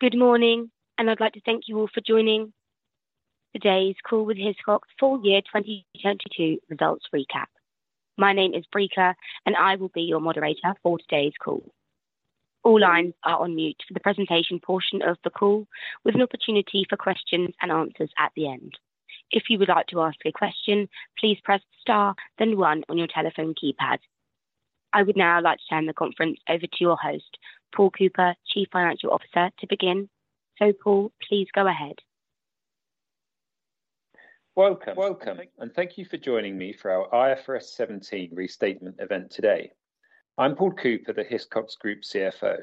Good morning, and I'd like to thank you all for joining today's call with Hiscox full year 2022 results recap. My name is Breaker, and I will be your moderator for today's call. All lines are on mute for the presentation portion of the call, with an opportunity for questions and answers at the end. If you would like to ask a question, please press star, then one on your telephone keypad. I would now like to turn the conference over to your host, Paul Cooper, Chief Financial Officer, to begin. Paul, please go ahead. Welcome, welcome. Thank you for joining me for our IFRS 17 restatement event today. I'm Paul Cooper, the Hiscox Group CFO.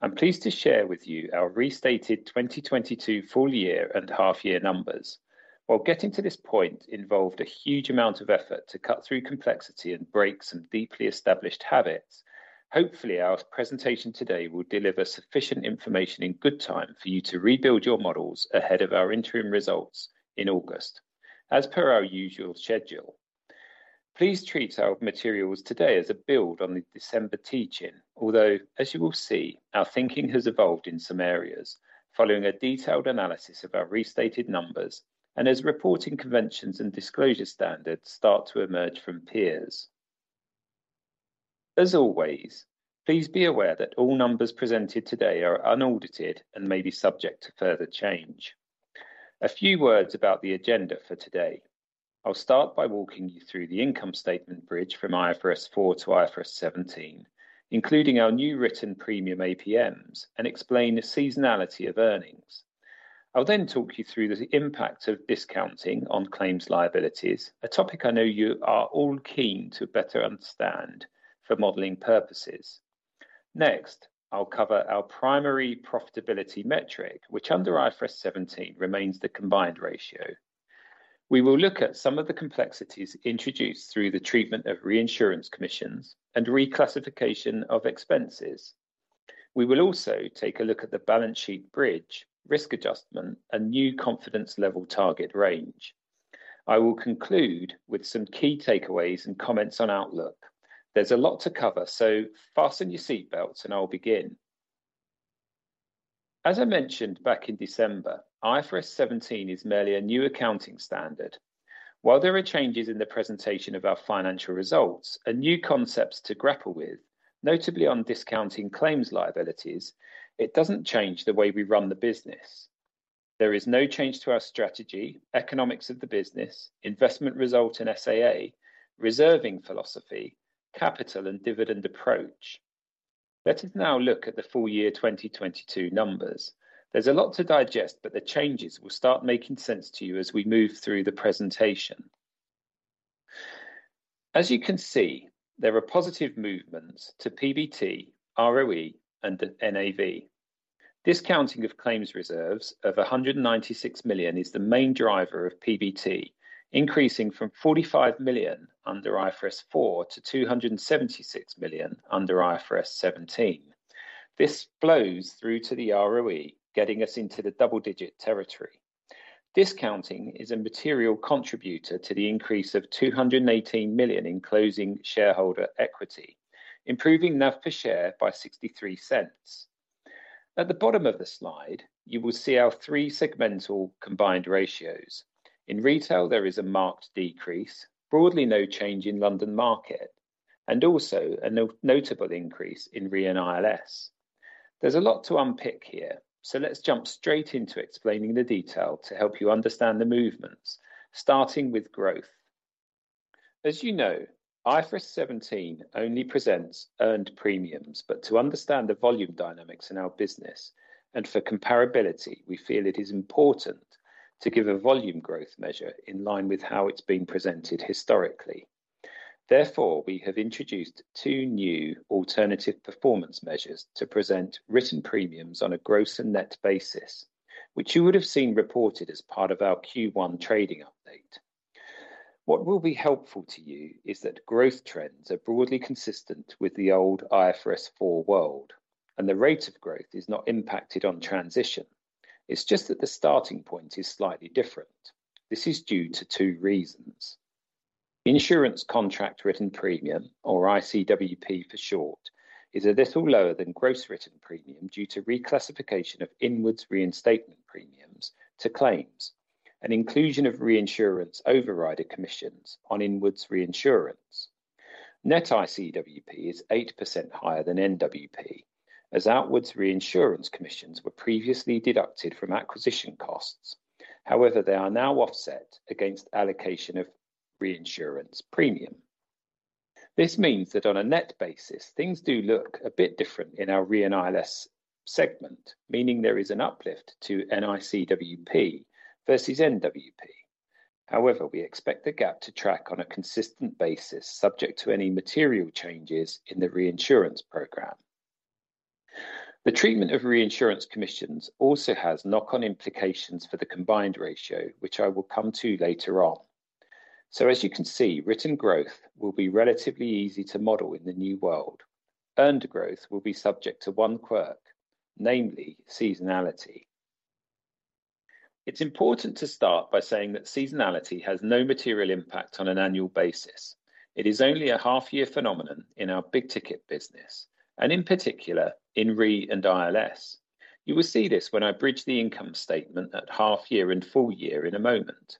I'm pleased to share with you our restated 2022 full year and half year numbers. While getting to this point involved a huge amount of effort to cut through complexity and break some deeply established habits, hopefully, our presentation today will deliver sufficient information in good time for you to rebuild your models ahead of our interim results in August, as per our usual schedule. Please treat our materials today as a build on the December teaching, although, as you will see, our thinking has evolved in some areas following a detailed analysis of our restated numbers and as reporting conventions and disclosure standards start to emerge from peers. As always, please be aware that all numbers presented today are unaudited and may be subject to further change. A few words about the agenda for today. I'll start by walking you through the income statement bridge from IFRS 4 to IFRS 17, including our new written premium APMs, and explain the seasonality of earnings. I'll then talk you through the impact of discounting on claims liabilities, a topic I know you are all keen to better understand for modeling purposes. Next, I'll cover our primary profitability metric, which under IFRS 17 remains the combined ratio. We will look at some of the complexities introduced through the treatment of reinsurance commissions and reclassification of expenses. We will also take a look at the balance sheet bridge, risk adjustment, and new confidence level target range. I will conclude with some key takeaways and comments on outlook. There's a lot to cover, so fasten your seatbelts and I'll begin. As I mentioned back in December, IFRS 17 is merely a new accounting standard. While there are changes in the presentation of our financial results and new concepts to grapple with, notably on discounting claims liabilities, it doesn't change the way we run the business. There is no change to our strategy, economics of the business, investment result in SAA, reserving philosophy, capital, and dividend approach. Let us now look at the full year 2022 numbers. There's a lot to digest, but the changes will start making sense to you as we move through the presentation. As you can see, there are positive movements to PBT, ROE, and the NAV. Discounting of claims reserves of $196 million is the main driver of PBT, increasing from $45 million under IFRS 4 to $276 million under IFRS 17. This flows through to the ROE, getting us into the double-digit territory. Discounting is a material contributor to the increase of $218 million in closing shareholder equity, improving NAV per share by $0.63. At the bottom of the slide, you will see our three segmental combined ratios. In Retail, there is a marked decrease, broadly no change in London Market, and also a notable increase in Re & ILS. There's a lot to unpick here, let's jump straight into explaining the detail to help you understand the movements, starting with growth. As you know, IFRS 17 only presents earned premiums, but to understand the volume dynamics in our business, and for comparability, we feel it is important to give a volume growth measure in line with how it's been presented historically. We have introduced two new Alternative Performance Measures to present written premiums on a gross and net basis, which you would have seen reported as part of our Q1 trading update. What will be helpful to you is that growth trends are broadly consistent with the old IFRS 4 world, and the rate of growth is not impacted on transition. It's just that the starting point is slightly different. This is due to two reasons. Insurance contract written premium, or ICWP for short, is a little lower than gross written premium due to reclassification of inwards reinstatement premiums to claims and inclusion of reinsurance overrider commissions on inwards reinsurance. Net ICWP is 8% higher than NWP, as outwards reinsurance commissions were previously deducted from acquisition costs. They are now offset against allocation of reinsurance premium. This means that on a net basis, things do look a bit different in our Re & ILS segment, meaning there is an uplift to NICWP versus NWP. We expect the gap to track on a consistent basis, subject to any material changes in the reinsurance program. The treatment of reinsurance commissions also has knock-on implications for the combined ratio, which I will come to later on. As you can see, written growth will be relatively easy to model in the new world. Earned growth will be subject to one quirk, namely seasonality. It's important to start by saying that seasonality has no material impact on an annual basis. It is only a half year phenomenon in our big ticket business, and in particular, in Re & ILS. You will see this when I bridge the income statement at half year and full year in a moment.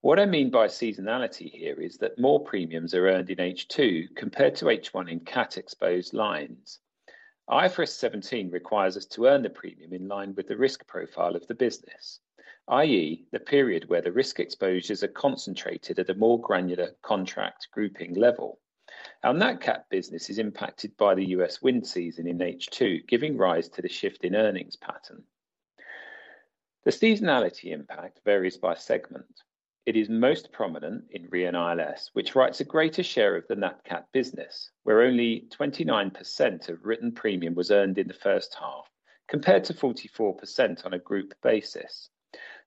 What I mean by seasonality here is that more premiums are earned in H2 compared to H1 in cat exposed lines. IFRS 17 requires us to earn the premium in line with the risk profile of the business, i.e., the period where the risk exposures are concentrated at a more granular contract grouping level. Our Nat Cat business is impacted by the U.S. wind season in H2, giving rise to the shift in earnings pattern. The seasonality impact varies by segment. It is most prominent in Re & ILS, which writes a greater share of the Nat Cat business, where only 29% of written premium was earned in the first half, compared to 44% on a group basis.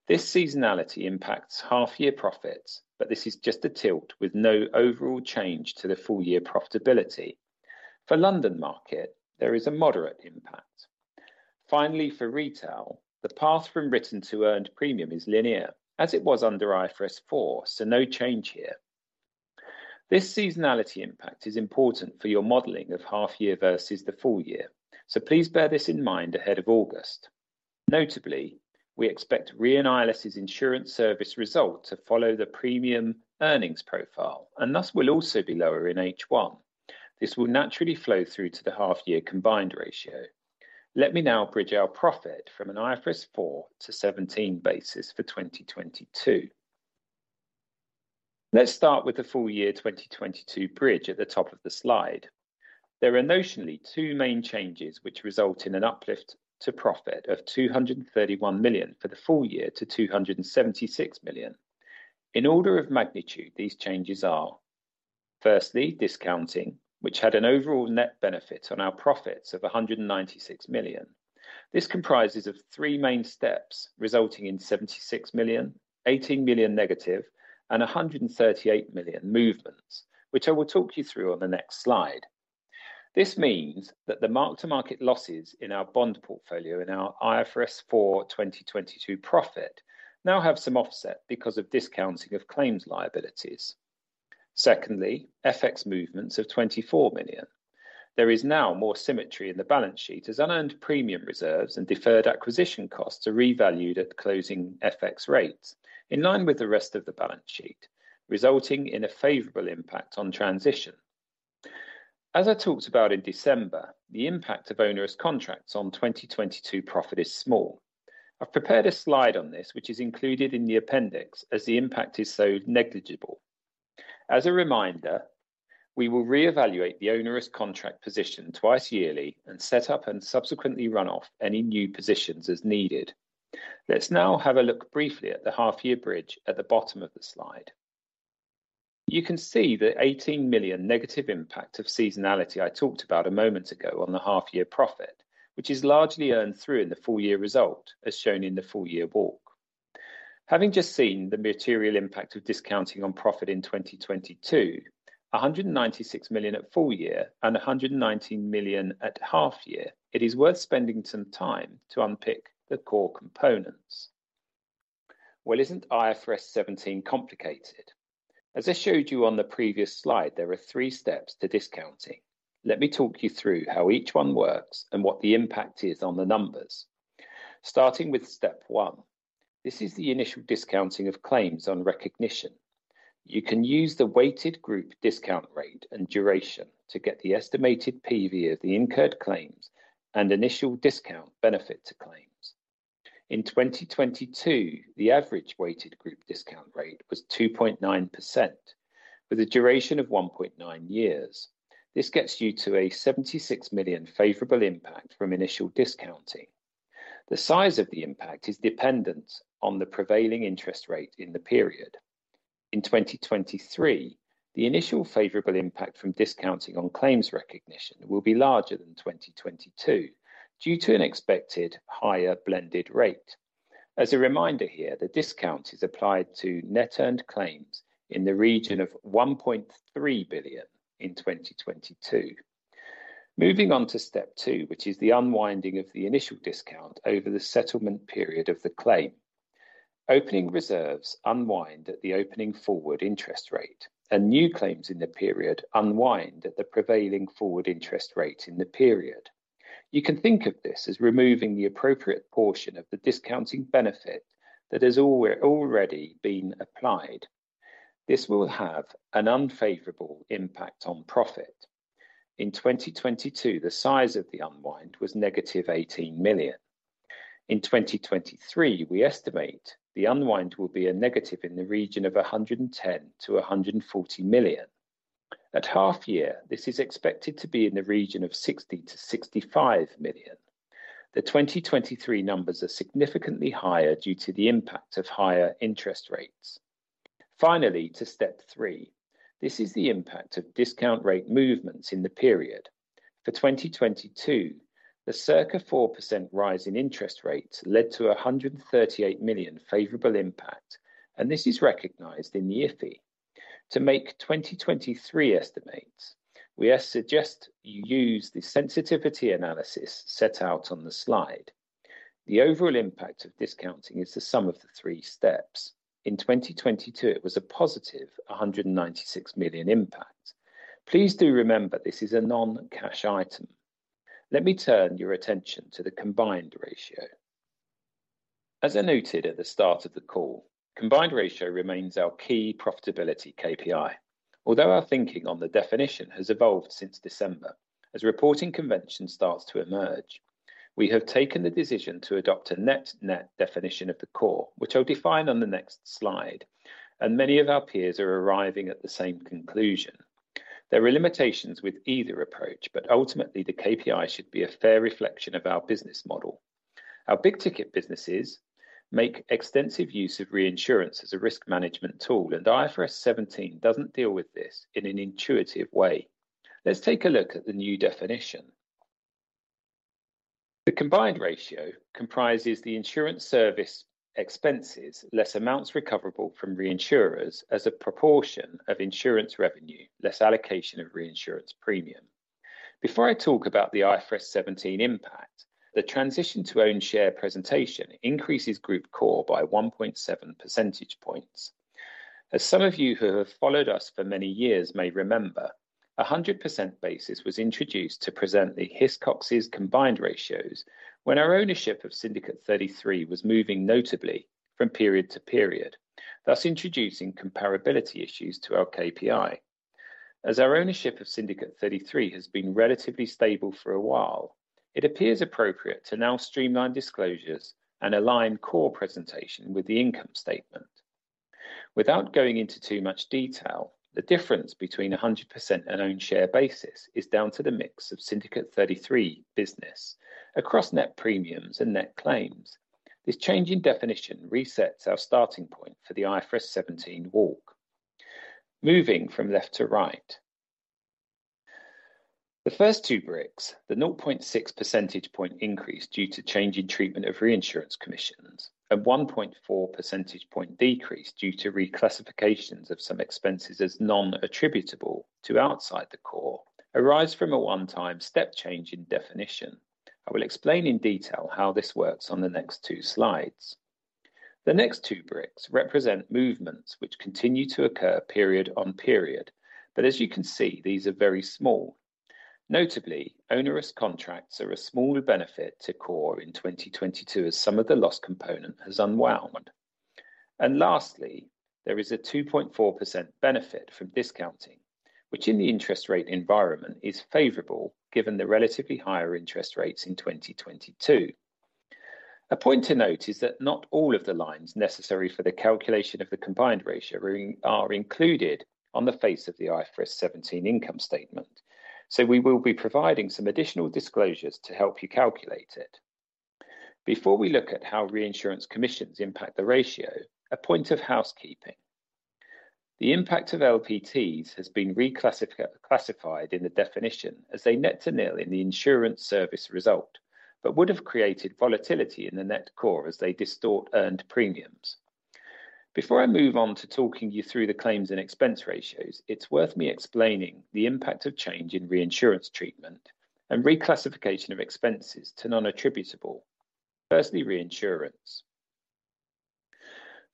This seasonality impacts half year profits, but this is just a tilt with no overall change to the full year profitability. For London Market, there is a moderate impact. Finally, for Retail, the path from written to earned premium is linear, as it was under IFRS 4, so no change here. This seasonality impact is important for your modeling of half year versus the full year, so please bear this in mind ahead of August. Notably, we expect Re & ILS's insurance service result to follow the premium earnings profile, and thus will also be lower in H1. This will naturally flow through to the half year combined ratio. Let me now bridge our profit from an IFRS 4 to 17 basis for 2022. Let's start with the full year 2022 bridge at the top of the slide. There are notionally two main changes which result in an uplift to profit of $231 million for the full year to $276 million. In order of magnitude, these changes are: firstly, discounting, which had an overall net benefit on our profits of $196 million. This comprises of three main steps, resulting in $76 million, $18 million negative, and $138 million movements, which I will talk you through on the next slide. This means that the mark-to-market losses in our bond portfolio in our IFRS 4 2022 profit now have some offset because of discounting of claims liabilities. Secondly, FX movements of $24 million. There is now more symmetry in the balance sheet, as unearned premium reserves and deferred acquisition costs are revalued at closing FX rates, in line with the rest of the balance sheet, resulting in a favorable impact on transition. I talked about in December, the impact of onerous contracts on 2022 profit is small. I've prepared a slide on this, which is included in the appendix, as the impact is so negligible. A reminder, we will reevaluate the onerous contract position twice yearly and set up and subsequently run off any new positions as needed. Let's now have a look briefly at the half year bridge at the bottom of the slide. You can see the $18 million negative impact of seasonality I talked about a moment ago on the half year profit, which is largely earned through in the full year result, as shown in the full year walk. Having just seen the material impact of discounting on profit in 2022, $196 million at full year and $119 million at half year, it is worth spending some time to unpick the core components. Well, isn't IFRS 17 complicated? As I showed you on the previous slide, there are three steps to discounting. Let me talk you through how each one works and what the impact is on the numbers. Starting with step one, this is the initial discounting of claims on recognition. You can use the weighted group discount rate and duration to get the estimated PV of the incurred claims and initial discount benefit to claims. In 2022, the average weighted group discount rate was 2.9%, with a duration of 1.9 years. This gets you to a $76 million favorable impact from initial discounting. The size of the impact is dependent on the prevailing interest rate in the period. In 2023, the initial favorable impact from discounting on claims recognition will be larger than 2022, due to an expected higher blended rate. As a reminder here, the discount is applied to net earned claims in the region of $1.3 billion in 2022. Moving on to step two, which is the unwinding of the initial discount over the settlement period of the claim. Opening reserves unwind at the opening forward interest rate, and new claims in the period unwind at the prevailing forward interest rate in the period. You can think of this as removing the appropriate portion of the discounting benefit that has already been applied. This will have an unfavorable impact on profit. In 2022, the size of the unwind was -$18 million. In 2023, we estimate the unwind will be a negative in the region of $110 million-$140 million. At half year, this is expected to be in the region of $60 million-$65 million. The 2023 numbers are significantly higher due to the impact of higher interest rates. Finally, to step three. This is the impact of discount rate movements in the period. For 2022, the circa 4% rise in interest rates led to a $138 million favorable impact. This is recognized in the IFI. To make 2023 estimates, we suggest you use the sensitivity analysis set out on the slide. The overall impact of discounting is the sum of the three steps. In 2022, it was a positive $196 million impact. Please do remember, this is a non-cash item. Let me turn your attention to the combined ratio. As I noted at the start of the call, combined ratio remains our key profitability KPI. Although our thinking on the definition has evolved since December, as reporting convention starts to emerge, we have taken the decision to adopt a net-net definition of the COR, which I'll define on the next slide. Many of our peers are arriving at the same conclusion. There are limitations with either approach, ultimately, the KPI should be a fair reflection of our business model. Our big-ticket businesses make extensive use of reinsurance as a risk management tool, IFRS 17 doesn't deal with this in an intuitive way. Let's take a look at the new definition. The combined ratio comprises the insurance service expenses, less amounts recoverable from reinsurers as a proportion of insurance revenue, less allocation of reinsurance premium. Before I talk about the IFRS 17 impact, the transition to own share presentation increases group COR by 1.7 percentage points. As some of you who have followed us for many years may remember, a 100% basis was introduced to present the Hiscox's combined ratios when our ownership of Syndicate 33 was moving notably from period to period, thus introducing comparability issues to our KPI. As our ownership of Syndicate 33 has been relatively stable for a while, it appears appropriate to now streamline disclosures and align COR presentation with the income statement. Without going into too much detail, the difference between 100% and own share basis is down to the mix of Syndicate 33 business across net premiums and net claims. This change in definition resets our starting point for the IFRS 17 walk. Moving from left to right. The first two bricks, the 0.6 percentage point increase due to change in treatment of reinsurance commissions, a 1.4 percentage point decrease due to reclassifications of some expenses as non-attributable to outside the COR, arise from a one-time step change in definition. I will explain in detail how this works on the next two slides. The next two bricks represent movements which continue to occur period on period, but as you can see, these are very small. Onerous contracts are a smaller benefit to COR in 2022, as some of the loss component has unwound. Lastly, there is a 2.4% benefit from discounting, which in the interest rate environment is favorable, given the relatively higher interest rates in 2022. A point to note is that not all of the lines necessary for the calculation of the combined ratio are included on the face of the IFRS 17 income statement, we will be providing some additional disclosures to help you calculate it. Before we look at how reinsurance commissions impact the ratio, a point of housekeeping: The impact of LPTs has been reclassified in the definition as they net to nil in the insurance service result, but would have created volatility in the net COR as they distort earned premiums. Before I move on to talking you through the claims and expense ratios, it's worth me explaining the impact of change in reinsurance treatment and reclassification of expenses to non-attributable. Firstly, reinsurance.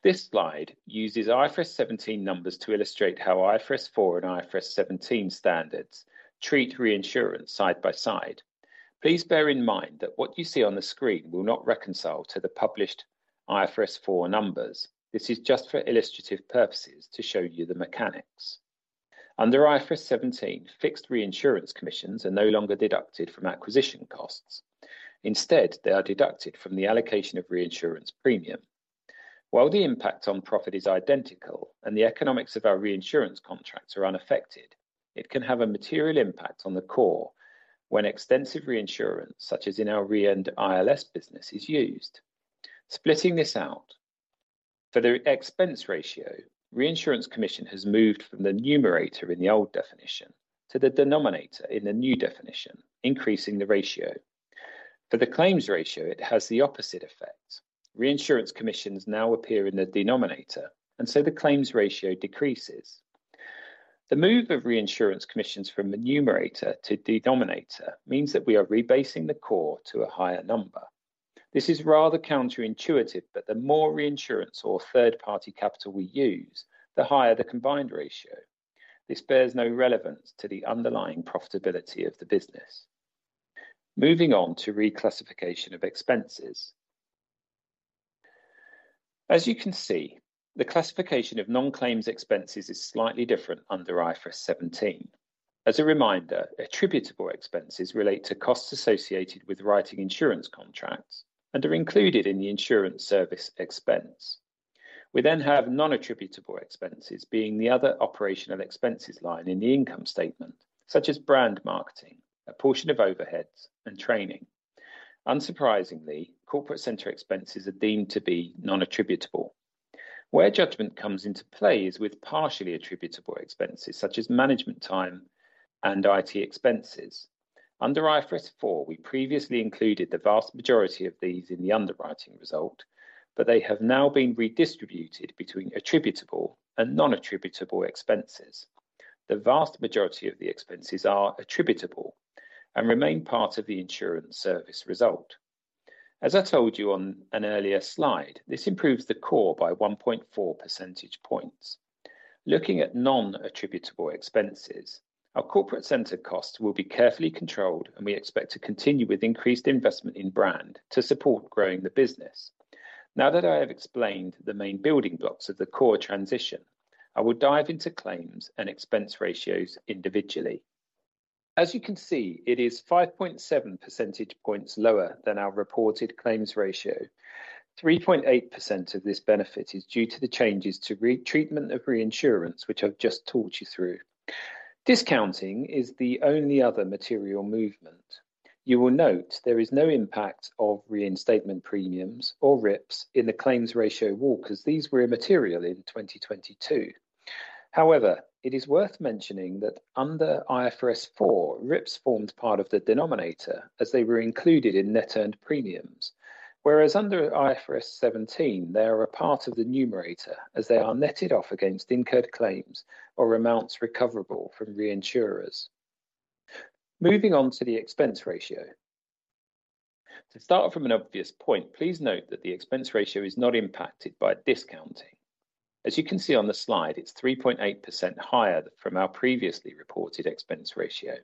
This slide uses IFRS 17 numbers to illustrate how IFRS 4 and IFRS 17 standards treat reinsurance side by side. Please bear in mind that what you see on the screen will not reconcile to the published IFRS 4 numbers. This is just for illustrative purposes to show you the mechanics. Under IFRS 17, fixed reinsurance commissions are no longer deducted from acquisition costs. Instead, they are deducted from the allocation of reinsurance premium. While the impact on profit is identical and the economics of our reinsurance contracts are unaffected, it can have a material impact on the COR when extensive reinsurance, such as in our Re & ILS business, is used. Splitting this out, for the expense ratio, reinsurance commission has moved from the numerator in the old definition to the denominator in the new definition, increasing the ratio. For the claims ratio, it has the opposite effect. Reinsurance commissions now appear in the denominator, and so the claims ratio decreases. The move of reinsurance commissions from the numerator to denominator means that we are rebasing the COR to a higher number. This is rather counterintuitive, but the more reinsurance or third-party capital we use, the higher the combined ratio. This bears no relevance to the underlying profitability of the business. Moving on to reclassification of expenses. As you can see, the classification of non-claims expenses is slightly different under IFRS 17. As a reminder, attributable expenses relate to costs associated with writing insurance contracts and are included in the insurance service expense. We have non-attributable expenses being the other operational expenses line in the income statement, such as brand marketing, a portion of overheads, and training. Unsurprisingly, corporate center expenses are deemed to be non-attributable. Where judgment comes into play is with partially attributable expenses, such as management time and IT expenses. Under IFRS 4, we previously included the vast majority of these in the underwriting result, but they have now been redistributed between attributable and non-attributable expenses. The vast majority of the expenses are attributable and remain part of the insurance service result. As I told you on an earlier slide, this improves the COR by 1.4 percentage points. Looking at non-attributable expenses, our corporate center costs will be carefully controlled, and we expect to continue with increased investment in brand to support growing the business. I have explained the main building blocks of the COR transition, I will dive into claims and expense ratios individually. As you can see, it is 5.7 percentage points lower than our reported claims ratio. 3.8% of this benefit is due to the changes to treatment of reinsurance, which I've just talked you through. Discounting is the only other material movement. You will note there is no impact of reinstatement premiums or RIPS in the claims ratio walk, as these were immaterial in 2022. However, it is worth mentioning that under IFRS 4, RIPS formed part of the denominator, as they were included in net earned premiums, whereas under IFRS 17, they are a part of the numerator, as they are netted off against incurred claims or amounts recoverable from reinsurers. Moving on to the expense ratio. To start from an obvious point, please note that the expense ratio is not impacted by discounting. As you can see on the slide, it's 3.8% higher from our previously reported expense ratio.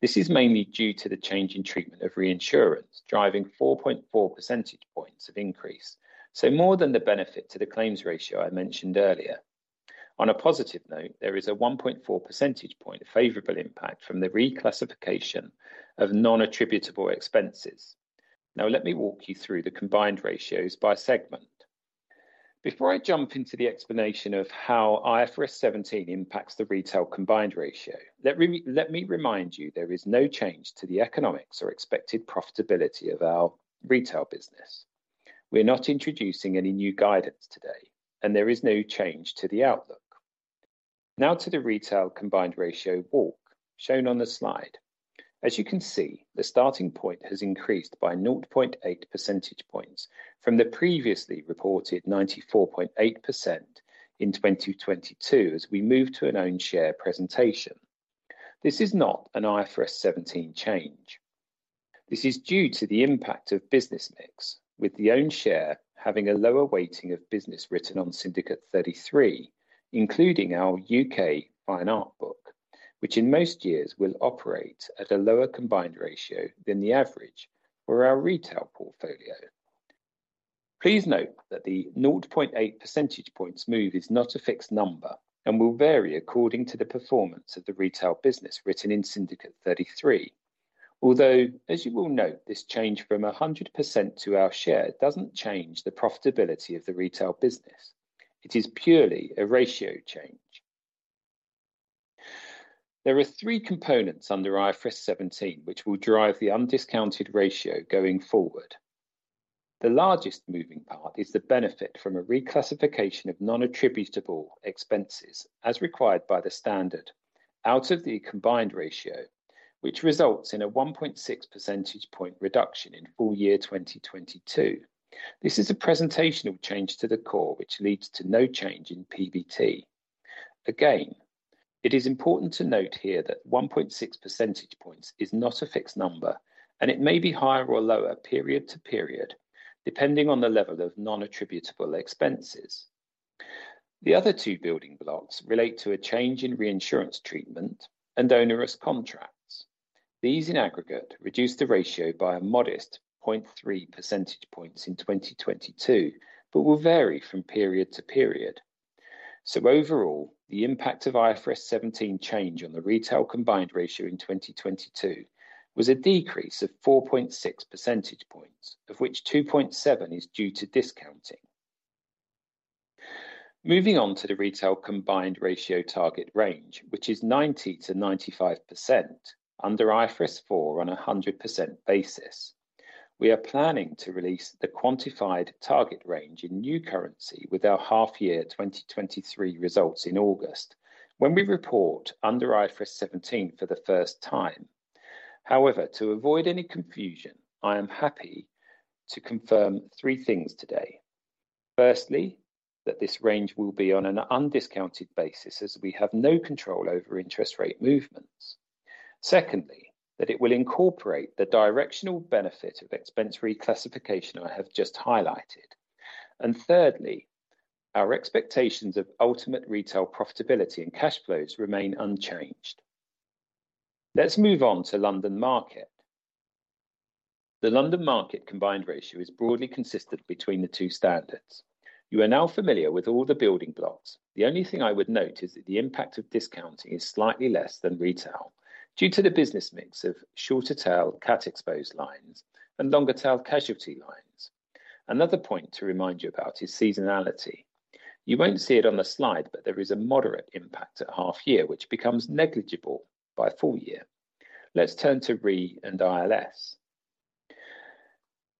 This is mainly due to the change in treatment of reinsurance, driving 4.4 percentage points of increase, so more than the benefit to the claims ratio I mentioned earlier. On a positive note, there is a 1.4 percentage point favorable impact from the reclassification of non-attributable expenses. Let me walk you through the combined ratios by segment. Before I jump into the explanation of how IFRS 17 impacts the Retail combined ratio, let me remind you, there is no change to the economics or expected profitability of our Retail business. We're not introducing any new guidance today. There is no change to the outlook. To the Retail combined ratio walk, shown on the slide. As you can see, the starting point has increased by 0.8 percentage points from the previously reported 94.8% in 2022 as we move to an own share presentation. This is not an IFRS 17 change. This is due to the impact of business mix, with the own share having a lower weighting of business written on Syndicate 33, including our U.K. fine art book, which in most years will operate at a lower combined ratio than the average for our Retail portfolio. Please note that the 0.8 percentage points move is not a fixed number and will vary according to the performance of the Retail business written in Syndicate 33. As you will note, this change from 100% to our share doesn't change the profitability of the Retail business. It is purely a ratio change. There are three components under IFRS 17, which will drive the undiscounted ratio going forward. The largest moving part is the benefit from a reclassification of non-attributable expenses, as required by the standard, out of the combined ratio, which results in a 1.6 percentage point reduction in full year 2022. This is a presentational change to the COR, which leads to no change in PBT. Again, it is important to note here that 1.6 percentage points is not a fixed number, and it may be higher or lower period to period, depending on the level of non-attributable expenses. The other two building blocks relate to a change in reinsurance treatment and onerous contracts. These, in aggregate, reduce the ratio by a modest 0.3 percentage points in 2022, but will vary from period to period. Overall, the impact of IFRS 17 change on the Retail combined ratio in 2022 was a decrease of 4.6 percentage points, of which 2.7 is due to discounting. Moving on to the Retail combined ratio target range, which is 90%-95% under IFRS 4 on a 100% basis. We are planning to release the quantified target range in new currency with our half year 2023 results in August when we report under IFRS 17 for the first time. However, to avoid any confusion, I am happy to confirm three things today. Firstly, that this range will be on an undiscounted basis as we have no control over interest rate movements. Secondly, that it will incorporate the directional benefit of expense reclassification I have just highlighted. Thirdly, our expectations of ultimate Retail profitability and cash flows remain unchanged. Let's move on to London Market. The London Market combined ratio is broadly consistent between the two standards. You are now familiar with all the building blocks. The only thing I would note is that the impact of discounting is slightly less than Retail due to the business mix of shorter tail cat-exposed lines and longer tail casualty lines. Another point to remind you about is seasonality. You won't see it on the slide, but there is a moderate impact at half year, which becomes negligible by full year. Let's turn to Re & ILS.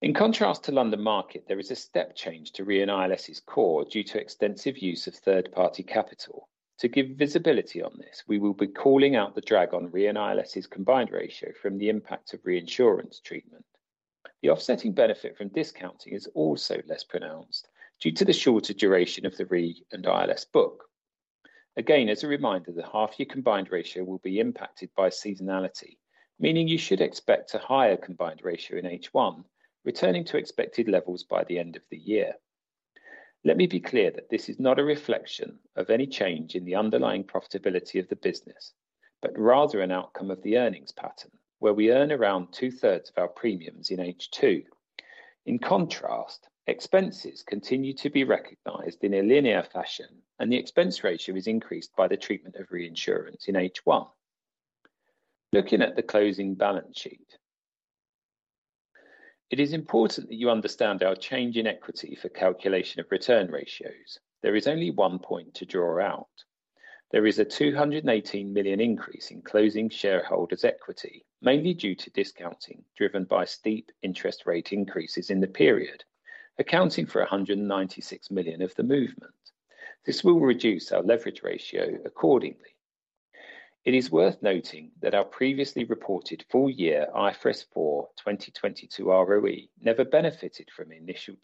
In contrast to London Market, there is a step change to Re & ILS's COR due to extensive use of third-party capital. To give visibility on this, we will be calling out the drag on Re & ILS's combined ratio from the impact of reinsurance treatment. The offsetting benefit from discounting is also less pronounced due to the shorter duration of the Re & ILS book. As a reminder, the half-year combined ratio will be impacted by seasonality, meaning you should expect a higher combined ratio in H1, returning to expected levels by the end of the year. Let me be clear that this is not a reflection of any change in the underlying profitability of the business, but rather an outcome of the earnings pattern, where we earn around 2/3 of our premiums in H2. In contrast, expenses continue to be recognized in a linear fashion, and the expense ratio is increased by the treatment of reinsurance in H1. Looking at the closing balance sheet, it is important that you understand our change in equity for calculation of return ratios. There is only one point to draw out. There is a $218 million increase in closing shareholders' equity, mainly due to discounting, driven by steep interest rate increases in the period, accounting for $196 million of the movement. This will reduce our leverage ratio accordingly. It is worth noting that our previously reported full year IFRS 4 2022 ROE never benefited from initial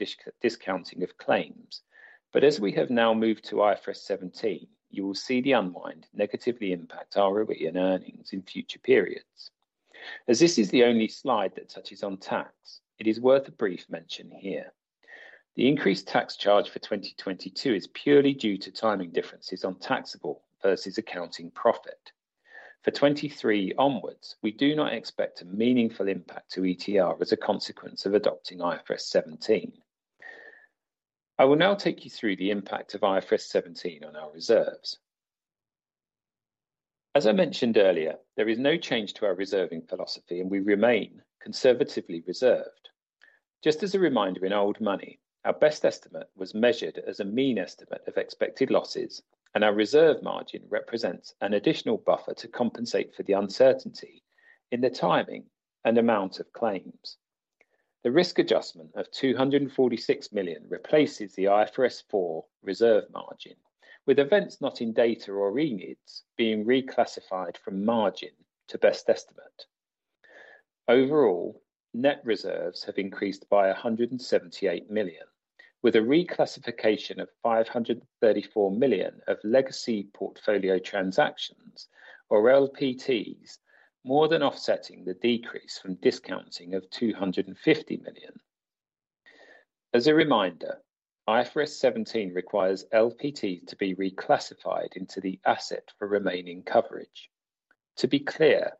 discounting of claims. As we have now moved to IFRS 17, you will see the unwind negatively impact our ROE and earnings in future periods. As this is the only slide that touches on tax, it is worth a brief mention here. The increased tax charge for 2022 is purely due to timing differences on taxable versus accounting profit. For 2023 onwards, we do not expect a meaningful impact to ETR as a consequence of adopting IFRS 17. I will now take you through the impact of IFRS 17 on our reserves. As I mentioned earlier, there is no change to our reserving philosophy, and we remain conservatively reserved. Just as a reminder, in old money, our best estimate was measured as a mean estimate of expected losses, and our reserve margin represents an additional buffer to compensate for the uncertainty in the timing and amount of claims. The risk adjustment of $246 million replaces the IFRS 4 reserve margin, with events not in data or ENIDs being reclassified from margin to best estimate. Overall, net reserves have increased by $178 million, with a reclassification of $534 million of legacy portfolio transactions, or LPTs, more than offsetting the decrease from discounting of $250 million. As a reminder, IFRS 17 requires LPT to be reclassified into the asset for remaining coverage. To be clear,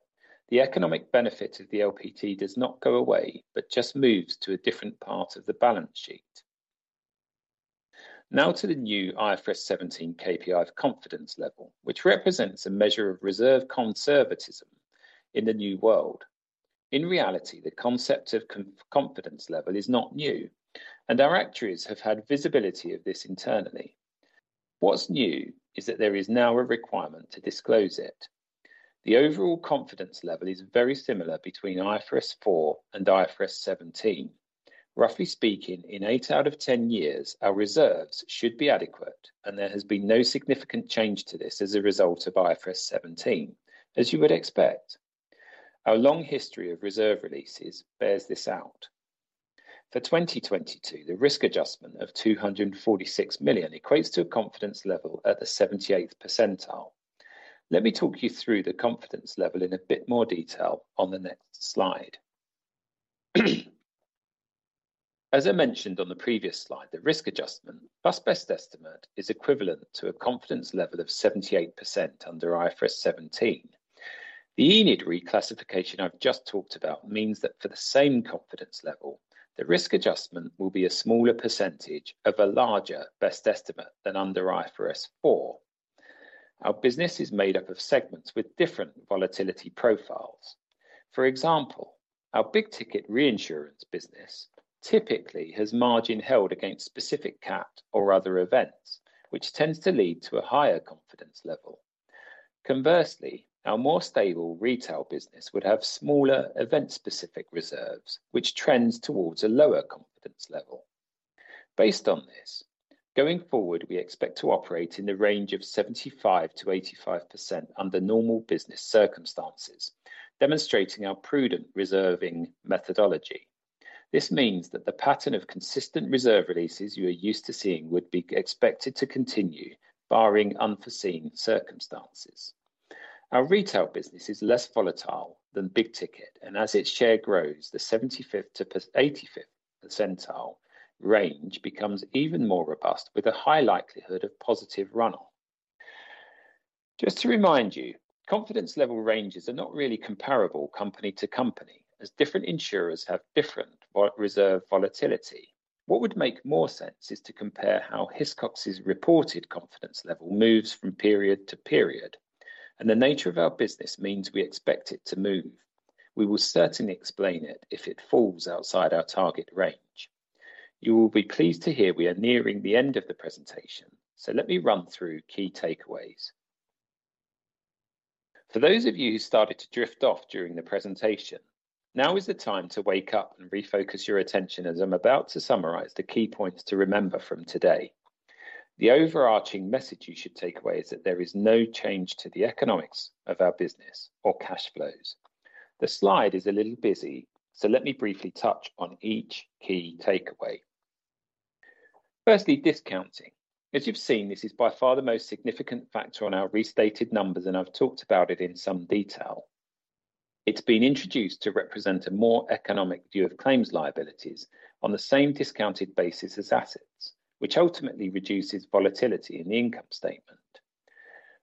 the economic benefit of the LPT does not go away, but just moves to a different part of the balance sheet. To the new IFRS 17 KPI of confidence level, which represents a measure of reserve conservatism in the new world. In reality, the concept of confidence level is not new, and our actuaries have had visibility of this internally. What's new is that there is now a requirement to disclose it. The overall confidence level is very similar between IFRS 4 and IFRS 17. Roughly speaking, in eight out of ten years, our reserves should be adequate, and there has been no significant change to this as a result of IFRS 17, as you would expect. Our long history of reserve releases bears this out. For 2022, the risk adjustment of $246 million equates to a confidence level at the 78th percentile. Let me talk you through the confidence level in a bit more detail on the next slide. As I mentioned on the previous slide, the risk adjustment, plus best estimate, is equivalent to a confidence level of 78% under IFRS 17. The ENID reclassification I've just talked about means that for the same confidence level, the risk adjustment will be a smaller percentage of a larger best estimate than under IFRS 4. Our business is made up of segments with different volatility profiles. For example, our big-ticket reinsurance business typically has margin held against specific cat or other events, which tends to lead to a higher confidence level. Conversely, our more stable Retail business would have smaller event-specific reserves, which trends towards a lower confidence level. Based on this, going forward, we expect to operate in the range of 75%-85% under normal business circumstances, demonstrating our prudent reserving methodology. This means that the pattern of consistent reserve releases you are used to seeing would be expected to continue, barring unforeseen circumstances. Our Retail business is less volatile than big ticket. As its share grows, the 75th to 85th percentile range becomes even more robust, with a high likelihood of positive run-off. Just to remind you, confidence level ranges are not really comparable company to company, as different insurers have different reserve volatility. What would make more sense is to compare how Hiscox's reported confidence level moves from period to period. The nature of our business means we expect it to move. We will certainly explain it if it falls outside our target range. You will be pleased to hear we are nearing the end of the presentation, so let me run through key takeaways. For those of you who started to drift off during the presentation, now is the time to wake up and refocus your attention, as I'm about to summarize the key points to remember from today. The overarching message you should take away is that there is no change to the economics of our business or cash flows. The slide is a little busy, so let me briefly touch on each key takeaway. Firstly, discounting. As you've seen, this is by far the most significant factor on our restated numbers, and I've talked about it in some detail. It's been introduced to represent a more economic view of claims liabilities on the same discounted basis as assets, which ultimately reduces volatility in the income statement.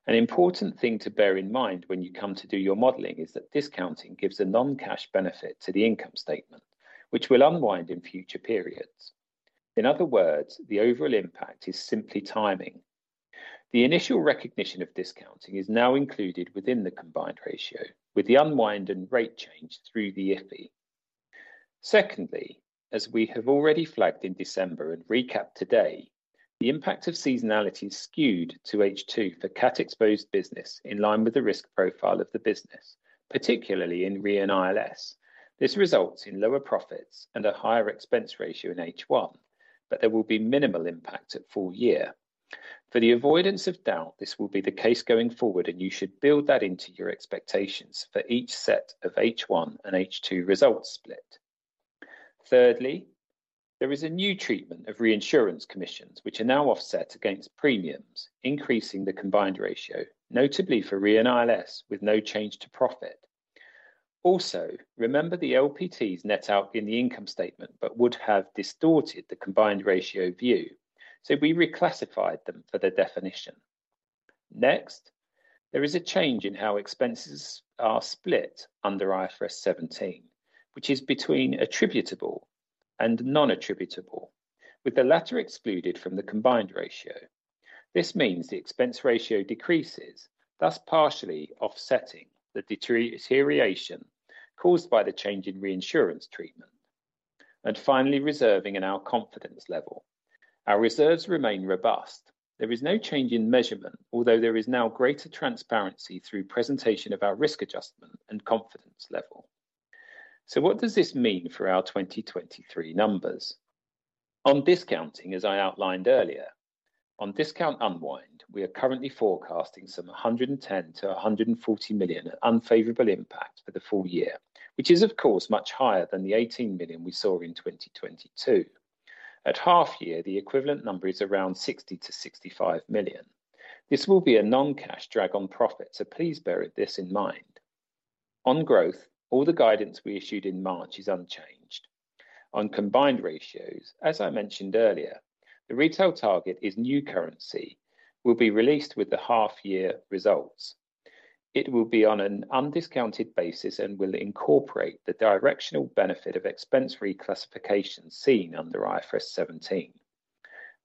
An important thing to bear in mind when you come to do your modeling is that discounting gives a non-cash benefit to the income statement, which will unwind in future periods. In other words, the overall impact is simply timing. The initial recognition of discounting is now included within the combined ratio, with the unwind and rate change through the IFRS. As we have already flagged in December and recapped today, the impact of seasonality is skewed to H2 for Cat-exposed business in line with the risk profile of the business, particularly in Re & ILS. This results in lower profits and a higher expense ratio in H1, but there will be minimal impact at full year. For the avoidance of doubt, this will be the case going forward, and you should build that into your expectations for each set of H1 and H2 results split. There is a new treatment of reinsurance commissions, which are now offset against premiums, increasing the combined ratio, notably for Re & ILS, with no change to profit. Remember the LPTs net out in the income statement, but would have distorted the combined ratio view, so we reclassified them for the definition. There is a change in how expenses are split under IFRS 17, which is between attributable and non-attributable, with the latter excluded from the combined ratio. This means the expense ratio decreases, thus partially offsetting the deterioration caused by the change in reinsurance treatment. Finally, reserving in our confidence level. Our reserves remain robust. There is no change in measurement, although there is now greater transparency through presentation of our risk adjustment and confidence level. What does this mean for our 2023 numbers? On discounting, as I outlined earlier, on discount unwind, we are currently forecasting some $110 million-$140 million unfavorable impact for the full year, which is, of course, much higher than the $18 million we saw in 2022. At half year, the equivalent number is around $60 million-$65 million. This will be a non-cash drag on profit, so please bear this in mind. On growth, all the guidance we issued in March is unchanged. On combined ratios, as I mentioned earlier, the Retail target is new currency, will be released with the half year results. It will be on an undiscounted basis and will incorporate the directional benefit of expense reclassification seen under IFRS 17.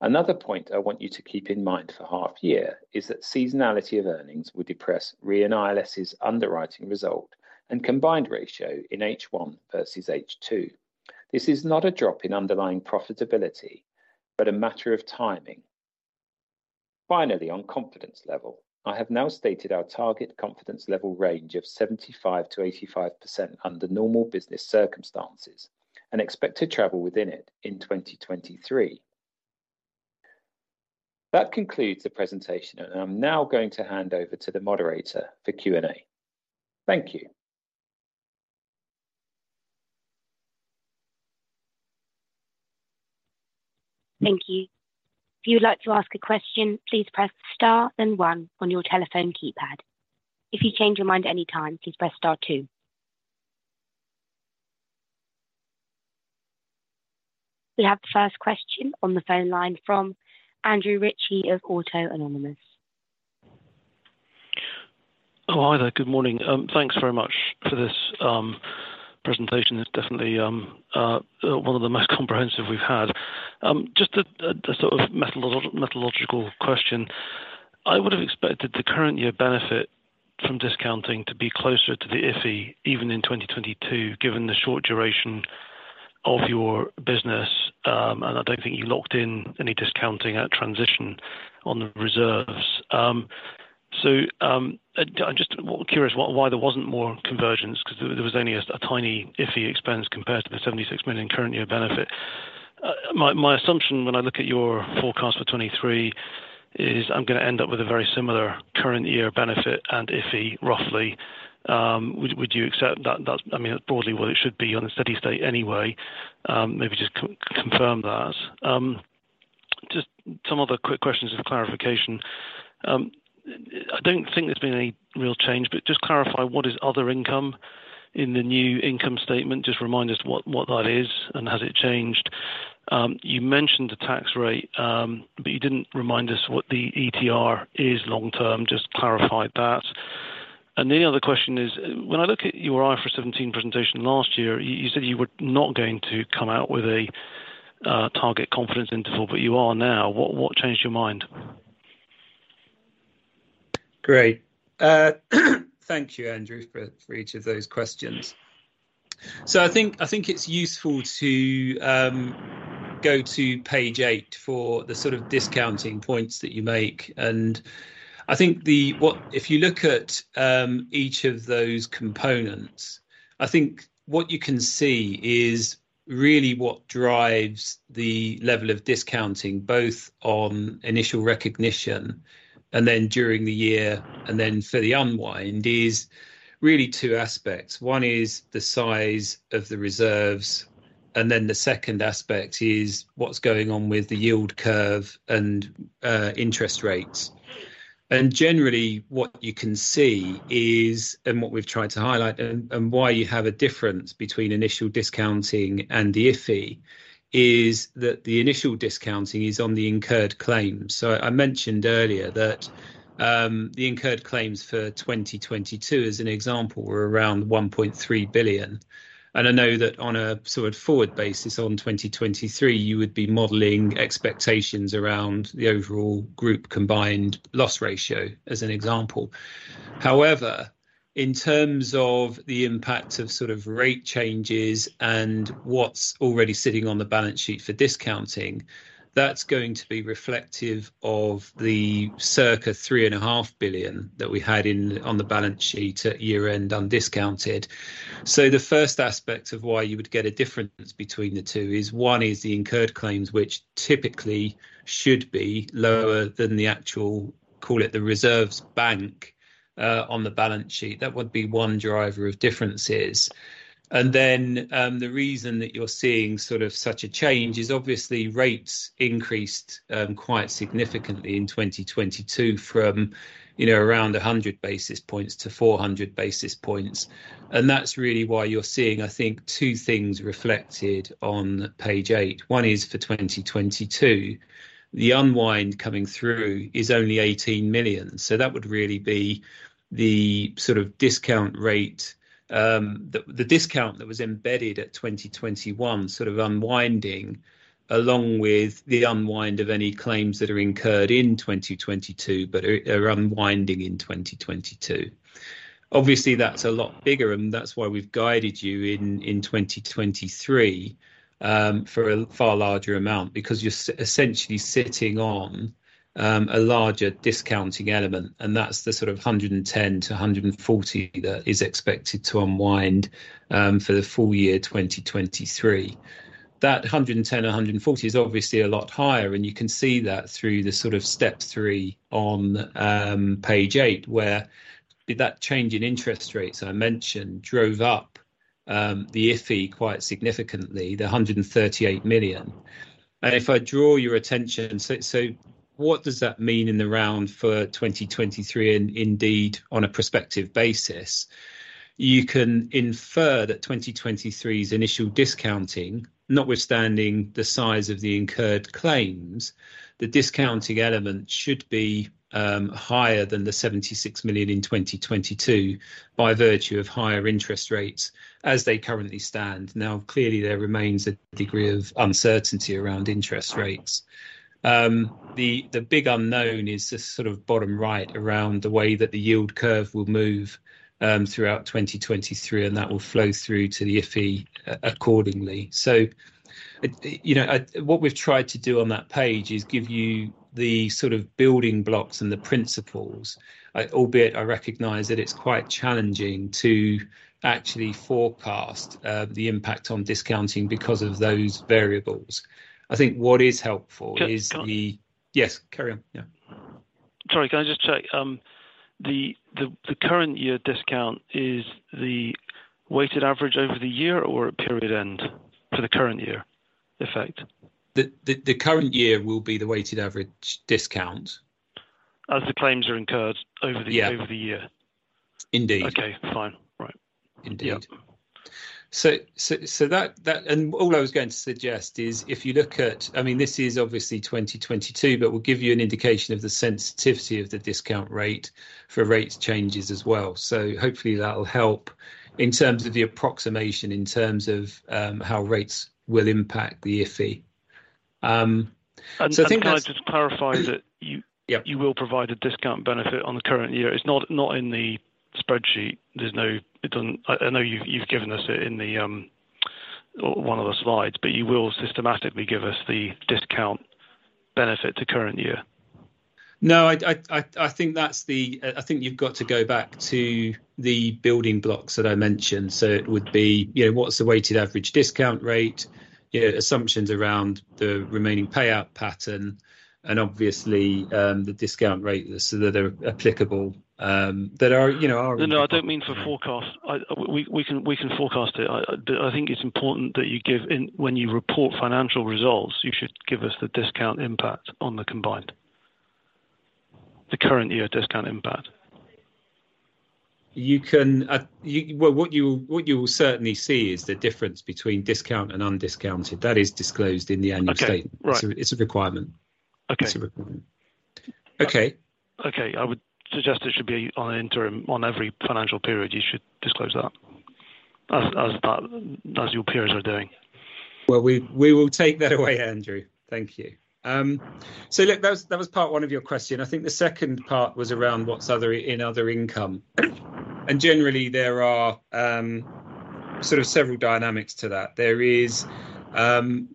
Another point I want you to keep in mind for half year is that seasonality of earnings will depress Re & ILS's underwriting result and combined ratio in H1 versus H2. This is not a drop in underlying profitability, but a matter of timing. Finally, on confidence level, I have now stated our target confidence level range of 75%-85% under normal business circumstances and expect to travel within it in 2023. That concludes the presentation. I'm now going to hand over to the moderator for Q&A. Thank you. Thank you. If you would like to ask a question, please press star one on your telephone keypad. If you change your mind at any time, please press star two. We have the first question on the phone line from Andrew Ritchie of Autonomous Research. Hi there. Good morning. Thanks very much for this presentation. It's definitely one of the most comprehensive we've had. Just a sort of methodological question. I would have expected the current year benefit from discounting to be closer to the IFRS, even in 2022, given the short duration of your business, and I don't think you locked in any discounting at transition on the reserves. I'm just curious why there wasn't more convergence, because there was only a tiny IFRS expense compared to the $76 million current year benefit. My assumption when I look at your forecast for 2023 is I'm gonna end up with a very similar current year benefit, and IFRS, roughly. Would you accept that? Broadly, it should be on a steady state anyway. Maybe just confirm that. Just some other quick questions of clarification. I don't think there's been any real change, but just clarify, what is other income in the new income statement? Just remind us what that is, and has it changed? You mentioned the tax rate, but you didn't remind us what the ETR is long term. Just clarify that. The other question is, when I look at your IFRS 17 presentation last year, you said you were not going to come out with a target confidence interval, but you are now. What changed your mind? Great. Thank you, Andrew, for each of those questions. I think it's useful to go to page 8 for the sort of discounting points that you make. If you look at each of those components, I think what you can see is really what drives the level of discounting, both on initial recognition and then during the year, and then for the unwind, is really 2 aspects. 1 is the size of the reserves, and then the second aspect is what's going on with the yield curve and interest rates. Generally, what you can see is, and what we've tried to highlight and why you have a difference between initial discounting and the IFI, is that the initial discounting is on the incurred claims. I mentioned earlier that the incurred claims for 2022, as an example, were around $1.3 billion. I know that on a sort of forward basis on 2023, you would be modeling expectations around the overall group combined loss ratio, as an example. However, in terms of the impact of sort of rate changes and what's already sitting on the balance sheet for discounting, that's going to be reflective of the circa $3.5 billion that we had in, on the balance sheet at year-end undiscounted. The first aspect of why you would get a difference between the two is, one is the incurred claims, which typically should be lower than the actual, call it the reserves bank, on the balance sheet. That would be one driver of differences. The reason that you're seeing sort of such a change is obviously rates increased quite significantly in 2022 from, you know, around 100 basis points to 400 basis points. That's really why you're seeing, I think, two things reflected on page 8. One is for 2022, the unwind coming through is only $18 million, so that would really be the sort of discount rate, the discount that was embedded at 2021 sort of unwinding, along with the unwind of any claims that are incurred in 2022, but are unwinding in 2022. Obviously, that's a lot bigger, and that's why we've guided you in 2023 for a far larger amount, because you're essentially sitting on a larger discounting element, and that's the sort of $110 million-$140 million that is expected to unwind for the full year 2023. That $110 million-$140 million is obviously a lot higher, and you can see that through the sort of step 3 on page 8, where that change in interest rates that I mentioned drove up the IFI quite significantly, the $138 million. If I draw your attention, so what does that mean in the round for 2023, and indeed, on a prospective basis? You can infer that 2023's initial discounting, notwithstanding the size of the incurred claims, the discounting element should be higher than the $76 million in 2022, by virtue of higher interest rates as they currently stand. Clearly, there remains a degree of uncertainty around interest rates. The, the big unknown is this sort of bottom right, around the way that the yield curve will move throughout 2023, and that will flow through to the IFI accordingly. You know, what we've tried to do on that page is give you the sort of building blocks and the principles. Albeit, I recognize that it's quite challenging to actually forecast the impact on discounting because of those variables. I think what is helpful is. Can, can- Yes, carry on. Yeah. Sorry, can I just check, the current year discount is the weighted average over the year or a period end for the current year effect? The current year will be the weighted average discount. As the claims are incurred- Yeah... over the year. Indeed. Okay, fine. Right. Indeed. Yeah. That, and all I was going to suggest is if you look at, I mean, this is obviously 2022, but will give you an indication of the sensitivity of the discount rate for rates changes as well. Hopefully, that'll help in terms of the approximation, in terms of how rates will impact the IFI. I think that's. Can I just clarify that? Yeah. You will provide a discount benefit on the current year? It's not in the spreadsheet. There's no, it doesn't... I know you've given us it in the one of the slides, but you will systematically give us the discount benefit to current year. I think that's the, I think you've got to go back to the building blocks that I mentioned. It would be, you know, what's the weighted average discount rate, you know, assumptions around the remaining payout pattern, and obviously, the discount rate, so that they're applicable, that are, you know. No, I don't mean for forecast. I, we can forecast it. I, but I think it's important that you give in, when you report financial results, you should give us the discount impact on the combined. The current year discount impact. You can. Well, what you will certainly see is the difference between discount and undiscounted. That is disclosed in the annual statement. Okay, right. It's a requirement. Okay. It's a requirement. Okay. Okay. I would suggest it should be on interim, on every financial period, you should disclose that, as your peers are doing. Well, we will take that away, Andrew. Thank you. Look, that was part one of your question. I think the second part was around what's other, in other income. Generally, there are sort of several dynamics to that. There is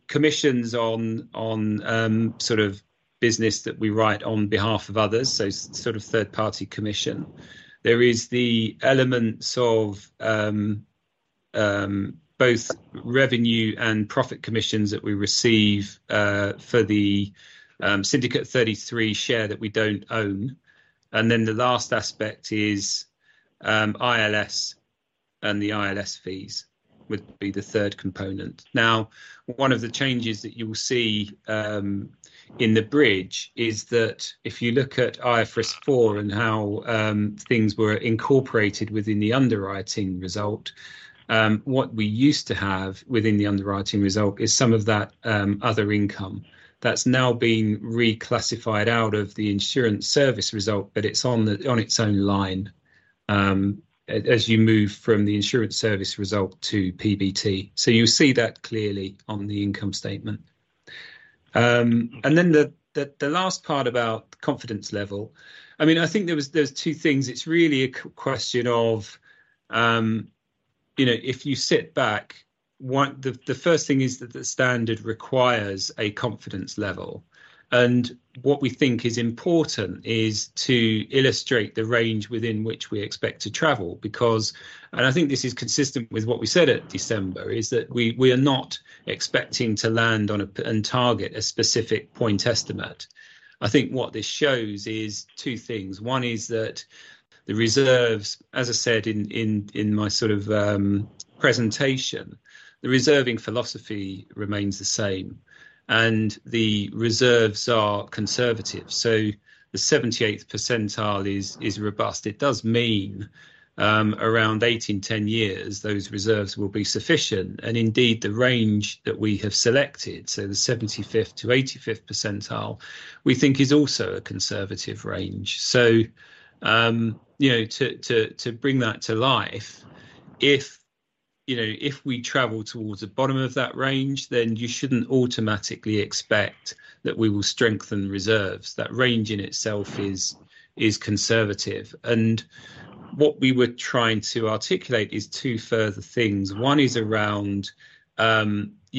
commissions on sort of business that we write on behalf of others, so sort of third-party commission. There is the elements of both revenue and profit commissions that we receive for the Syndicate 33 share that we don't own. Then the last aspect is ILS, and the ILS fees would be the third component. One of the changes that you will see in the bridge is that if you look at IFRS 4 and how things were incorporated within the underwriting result, what we used to have within the underwriting result is some of that other income. That's now been reclassified out of the insurance service result, but it's on its own line as you move from the insurance service result to PBT. You'll see that clearly on the income statement. Then the last part about confidence level, I mean, I think There's two things. It's really a question of, you know, if you sit back, one, the first thing is that the standard requires a confidence level. What we think is important is to illustrate the range within which we expect to travel, because, and I think this is consistent with what we said at December, is that we are not expecting to land on a target a specific point estimate. I think what this shows is two things. One is that the reserves, as I said, in my sort of presentation, the reserving philosophy remains the same, and the reserves are conservative. The 78th percentile is robust. It does mean, around eight and 10 years, those reserves will be sufficient, and indeed, the range that we have selected, so the 75th-85th percentile, we think is also a conservative range. You know, to bring that to life, if, you know, if we travel towards the bottom of that range, then you shouldn't automatically expect that we will strengthen reserves. That range in itself is conservative, and what we were trying to articulate is two further things. One is around, you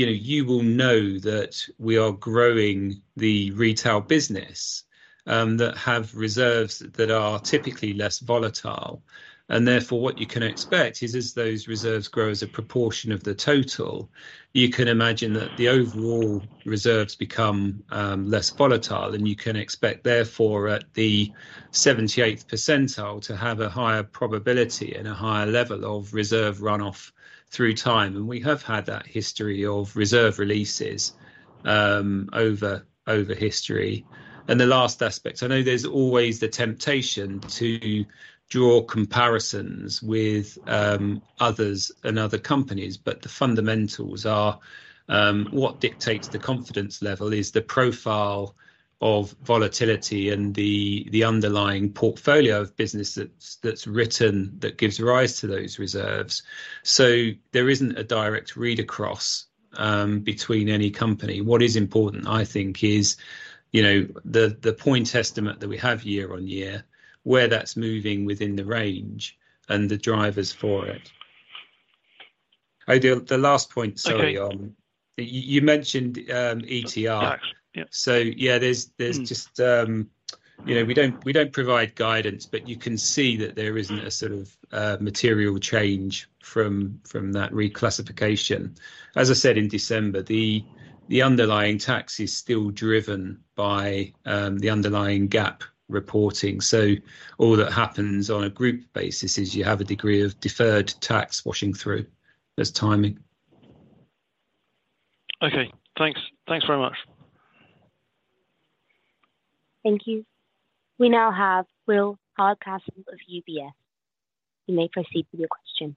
know, you will know that we are growing the Retail business, that have reserves that are typically less volatile, and therefore, what you can expect is, as those reserves grow as a proportion of the total, you can imagine that the overall reserves become less volatile, and you can expect, therefore, at the 78th percentile, to have a higher probability and a higher level of reserve runoff through time. We have had that history of reserve releases, over history. The last aspect, I know there's always the temptation to draw comparisons with others and other companies, but the fundamentals are what dictates the confidence level is the profile of volatility and the underlying portfolio of business that's written, that gives rise to those reserves. There isn't a direct read-across between any company. What is important, I think, is, you know, the point estimate that we have year on year, where that's moving within the range and the drivers for it. The last point, sorry. Okay. You mentioned ETR. Tax, yep. Yeah, there's. Mm. You know, we don't provide guidance, but you can see that there isn't- Mm... a sort of material change from that reclassification. As I said, in December, the underlying tax is still driven by the underlying GAAP reporting. All that happens on a group basis is you have a degree of deferred tax washing through. There's timing. Okay, thanks. Thanks very much. Thank you. We now have Will Hardcastle of UBS. You may proceed with your question.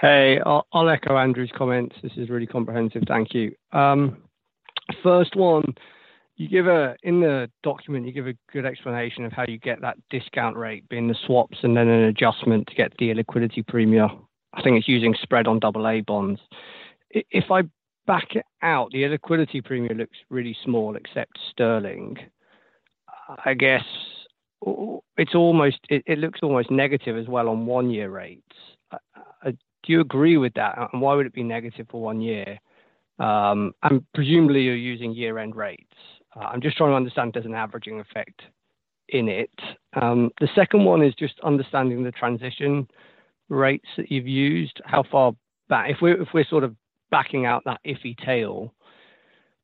Hey, I'll echo Andrew's comments. This is really comprehensive. Thank you. First one, in the document, you give a good explanation of how you get that discount rate, being the swaps and then an adjustment to get the illiquidity premium. I think it's using spread on AA bonds. If I back it out, the illiquidity premium looks really small, except sterling. I guess, it looks almost negative as well on one-year rates. Do you agree with that? Why would it be negative for one year? Presumably, you're using year-end rates. I'm just trying to understand, there's an averaging effect in it. The second one is just understanding the transition rates that you've used, how far back... If we're sort of backing out that iffy tail,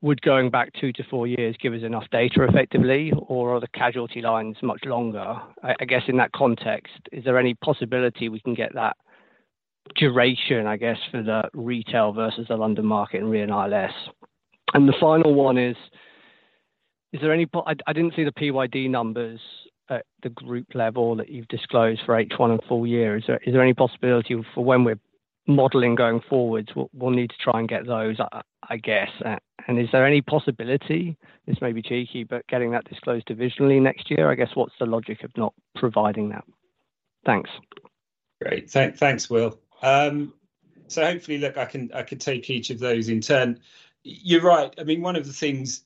would going back two to four years give us enough data effectively, or are the casualty lines much longer? I guess in that context, is there any possibility we can get that duration, I guess, for the Retail versus the London Market in Re and ILS? The final one is there any possibility I didn't see the PYD numbers at the group level that you've disclosed for H1 and full year? Is there any possibility for when we're modeling going forwards, we'll need to try and get those, I guess? Is there any possibility, this may be cheeky, but getting that disclosed divisionally next year? I guess, what's the logic of not providing that? Thanks. Great. Thank, thanks, Will. Hopefully, look, I can, I can take each of those in turn. You're right. I mean, one of the things,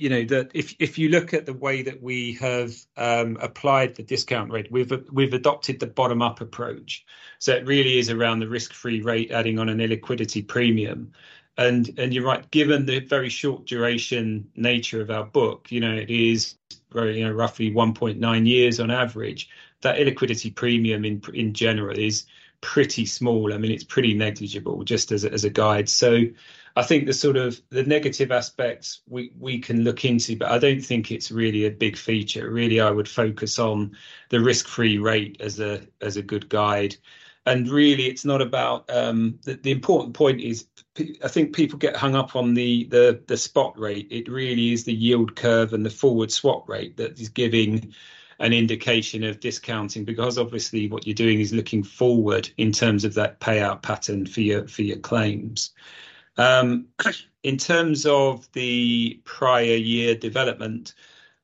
you know, that if you look at the way that we have, applied the discount rate, we've adopted the bottom-up approach. It really is around the risk-free rate, adding on an illiquidity premium. You're right, given the very short duration nature of our book, you know, it is growing at roughly 1.9 years on average. That illiquidity premium in general is pretty small. I mean, it's pretty negligible, just as a, as a guide. I think the sort of the negative aspects we can look into, but I don't think it's really a big feature. Really, I would focus on the risk-free rate as a, as a good guide. Really, it's not about. The important point is I think people get hung up on the spot rate. It really is the yield curve and the forward swap rate that is giving an indication of discounting, because obviously, what you're doing is looking forward in terms of that payout pattern for your claims. In terms of the prior year development,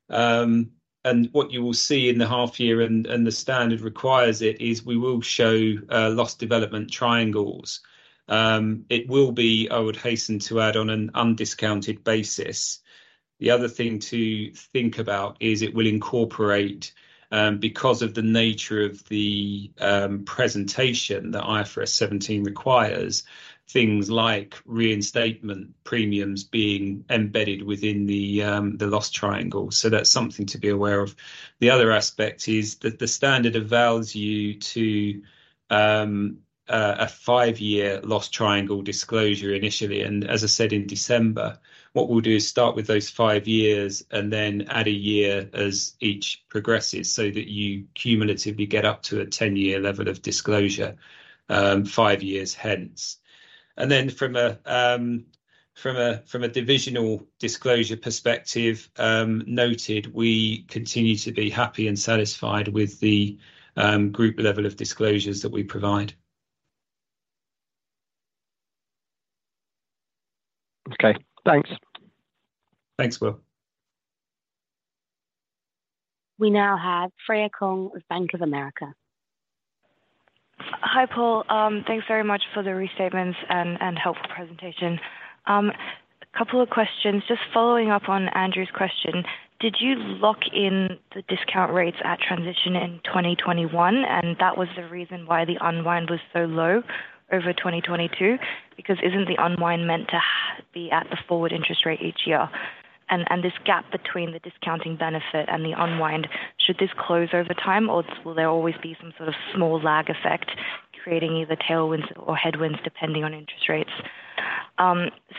and what you will see in the half year and the standard requires it, is we will show loss development triangles. It will be, I would hasten to add, on an undiscounted basis. The other thing to think about is it will incorporate, because of the nature of the presentation that IFRS 17 requires, things like reinstatement premiums being embedded within the loss triangle. That's something to be aware of. The other aspect is that the standard avails you to a five-year loss triangle disclosure initially. As I said, in December, what we'll do is start with those 5 years and then add a year as each progresses, so that you cumulatively get up to a 10-year level of disclosure, five years hence. Then from a divisional disclosure perspective, noted, we continue to be happy and satisfied with the group level of disclosures that we provide. Okay, thanks. Thanks, Will. We now have Freya Kong of Bank of America. Hi, Paul. thanks very much for the restatements and helpful presentation. a couple of questions, just following up on Andrew's question: Did you lock in the discount rates at transition in 2021, and that was the reason why the unwind was so low over 2022? Because isn't the unwind meant to be at the forward interest rate each year, and this gap between the discounting benefit and the unwind, should this close over time, or will there always be some sort of small lag effect, creating either tailwinds or headwinds, depending on interest rates?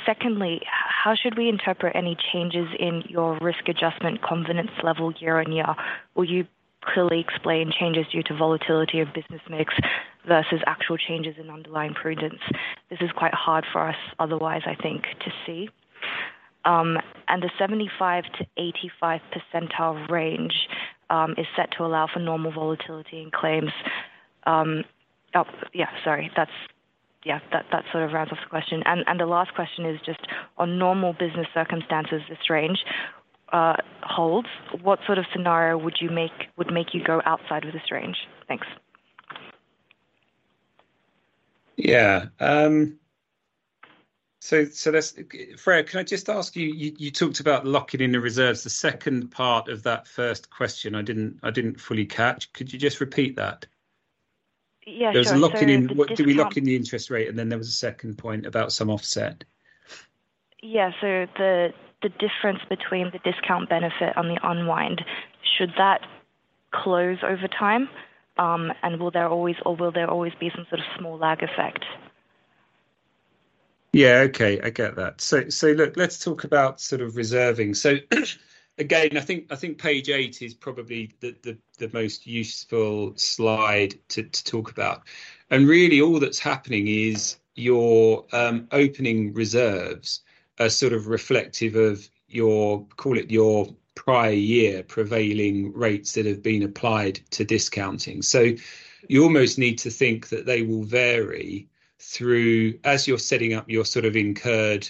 secondly, how should we interpret any changes in your risk adjustment confidence level year on year? Will you clearly explain changes due to volatility of business mix versus actual changes in underlying prudence? This is quite hard for us, otherwise, I think, to see. The 75 to 85 percentile range is set to allow for normal volatility in claims. Oh, yeah, sorry. Yeah, that sort of rounds off the question. The last question is just on normal business circumstances, this range holds. What sort of scenario would make you go outside of this range? Thanks. Yeah, Freya, can I just ask you talked about locking in the reserves. The second part of that first question, I didn't fully catch. Could you just repeat that? Yeah, sure. There was a locking in- the difference- Do we lock in the interest rate? There was a second point about some offset. Yeah. The difference between the discount benefit and the unwind, should that close over time? Will there always be some sort of small lag effect? Yeah, okay. I get that. Look, let's talk about sort of reserving. Again, I think page eight is probably the most useful slide to talk about. Really, all that's happening is your opening reserves are sort of reflective of your, call it, your prior year prevailing rates that have been applied to discounting. You almost need to think that they will vary through... As you're setting up your sort of incurred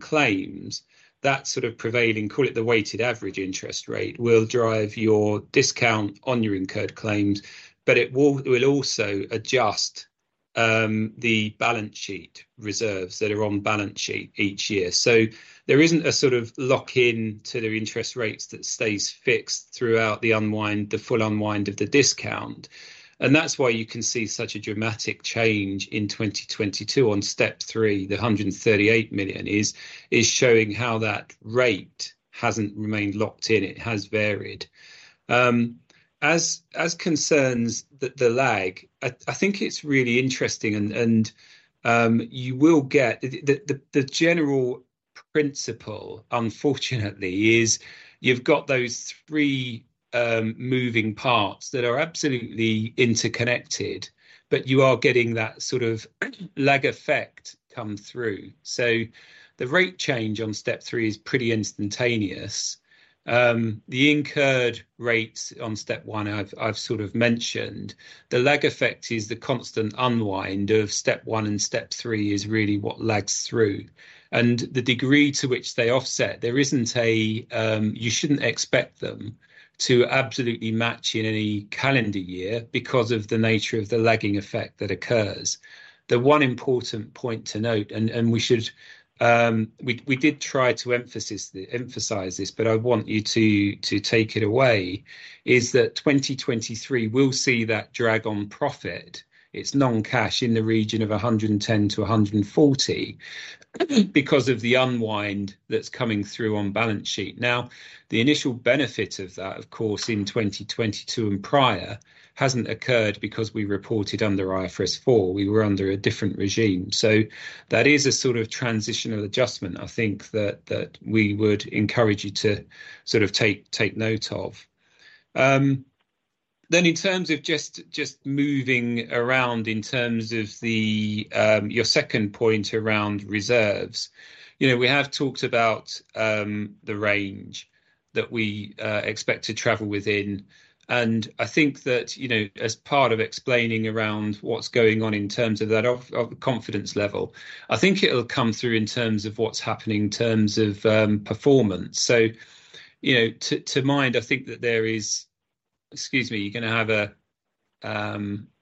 claims, that sort of prevailing, call it the weighted average interest rate, will drive your discount on your incurred claims, but it will also adjust the balance sheet reserves that are on balance sheet each year. There isn't a sort of lock-in to the interest rates that stays fixed throughout the unwind, the full unwind of the discount. That's why you can see such a dramatic change in 2022 on step three. The $138 million is showing how that rate hasn't remained locked in. It has varied. As concerns the lag, I think it's really interesting and you will get. The general principle, unfortunately, is you've got those three moving parts that are absolutely interconnected, but you are getting that sort of lag effect come through. The rate change on step three is pretty instantaneous. The incurred rates on step one, I've sort of mentioned. The lag effect is the constant unwind of step one, and step three is really what lags through. The degree to which they offset, there isn't a. You shouldn't expect them to absolutely match in any calendar year because of the nature of the lagging effect that occurs. The one important point to note, and we should, we did try to emphasize this, but I want you to take it away, is that 2023, we'll see that drag on profit. It's non-cash in the region of $110 million-$140 million because of the unwind that's coming through on balance sheet. Now, the initial benefit of that, of course, in 2022 and prior, hasn't occurred because we reported under IFRS 4. We were under a different regime. That is a sort of transitional adjustment, I think, that we would encourage you to sort of take note of. In terms of just moving around in terms of the, your second point around reserves. You know, we have talked about the range that we expect to travel within, and I think that, you know, as part of explaining around what's going on in terms of that of confidence level, I think it'll come through in terms of what's happening in terms of performance. You know, to mind, I think that there is... Excuse me, you're gonna have a,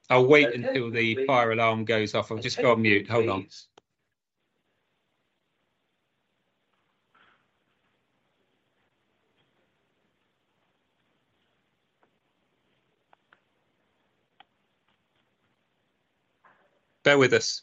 I'll wait until the fire alarm goes off. I'll just go on mute. Hold on. Bear with us.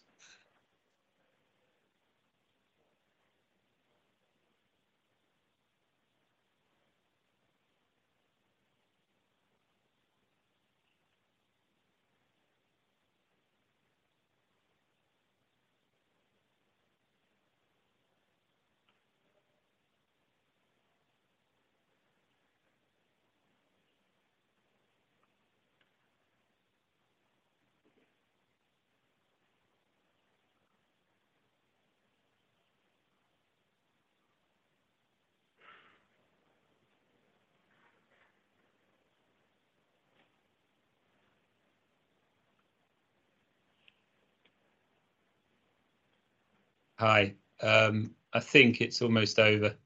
Hi. I think it's almost over.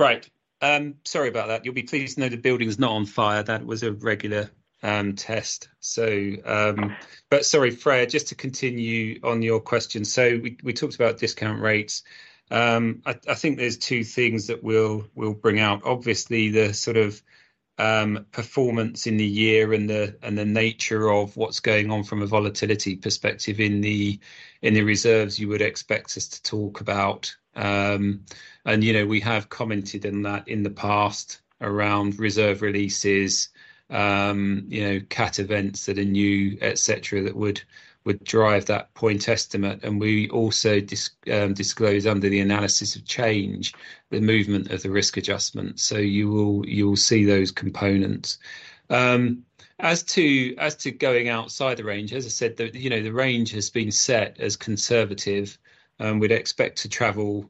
Right, sorry about that. You'll be pleased to know the building is not on fire. That was a regular test. Sorry, Freya, just to continue on your question. We talked about discount rates. I think there's two things that we'll bring out. Obviously, the sort of performance in the year and the nature of what's going on from a volatility perspective in the reserves, you would expect us to talk about. And, you know, we have commented on that in the past around reserve releases, you know, cat events that are new, et cetera, that would drive that point estimate. We also disclose under the analysis of change, the movement of the risk adjustment. You will see those components. As to going outside the range, as I said, the, you know, the range has been set as conservative, and we'd expect to travel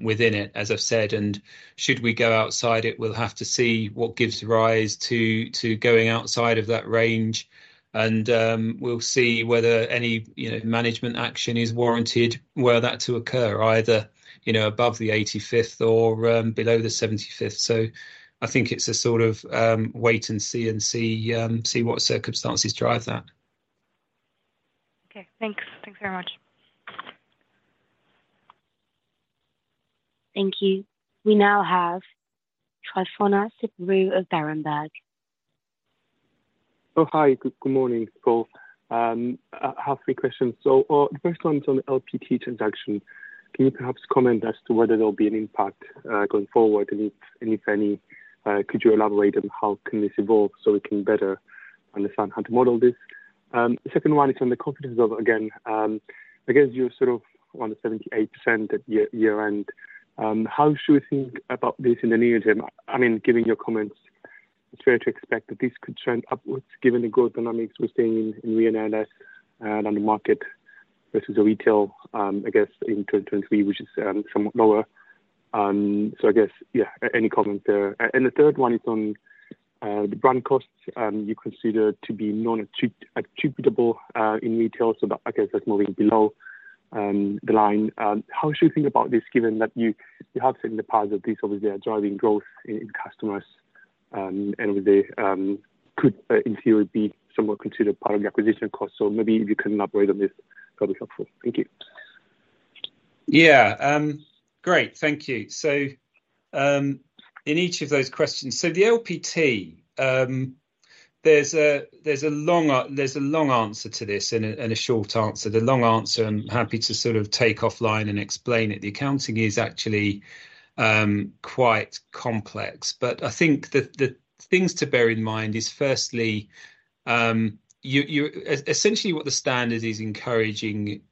within it, as I've said, and should we go outside it, we'll have to see what gives rise to going outside of that range. We'll see whether any, you know, management action is warranted, were that to occur, either, you know, above the 85th or below the 75th. I think it's a sort of, wait and see what circumstances drive that. Okay, thanks. Thanks very much. Thank you. We now have Tryfonas Spyrou of Berenberg. Oh, hi, good morning, Paul. I have three questions. The first one is on the LPT transaction. Can you perhaps comment as to whether there'll be an impact going forward, and if, and if any, could you elaborate on how can this evolve so we can better understand how to model this? The second one is on the confidence level again. I guess you're sort of around the 78% at year-end. How should we think about this in the near term? I mean, given your comments, it's fair to expect that this could trend upwards, given the growth dynamics we're seeing in Hiscox Netherlands, on the market, versus the Retail, I guess, in 2023, which is somewhat lower. I guess, yeah, any comment there? The third one is on the brand costs you consider to be attributable in Retail, so, but I guess that's moving below the line. How should we think about this, given that you have said in the past that this obviously is driving growth in customers, and with the could in theory, be somewhat considered part of the acquisition cost? Maybe if you can elaborate on this, that'd be helpful. Thank you. Yeah, great. Thank you. In each of those questions, the LPT, there's a long answer to this and a short answer. The long answer, I'm happy to sort of take offline and explain it. The accounting is actually quite complex, I think the things to bear in mind is firstly, Essentially, what the standard is encouraging,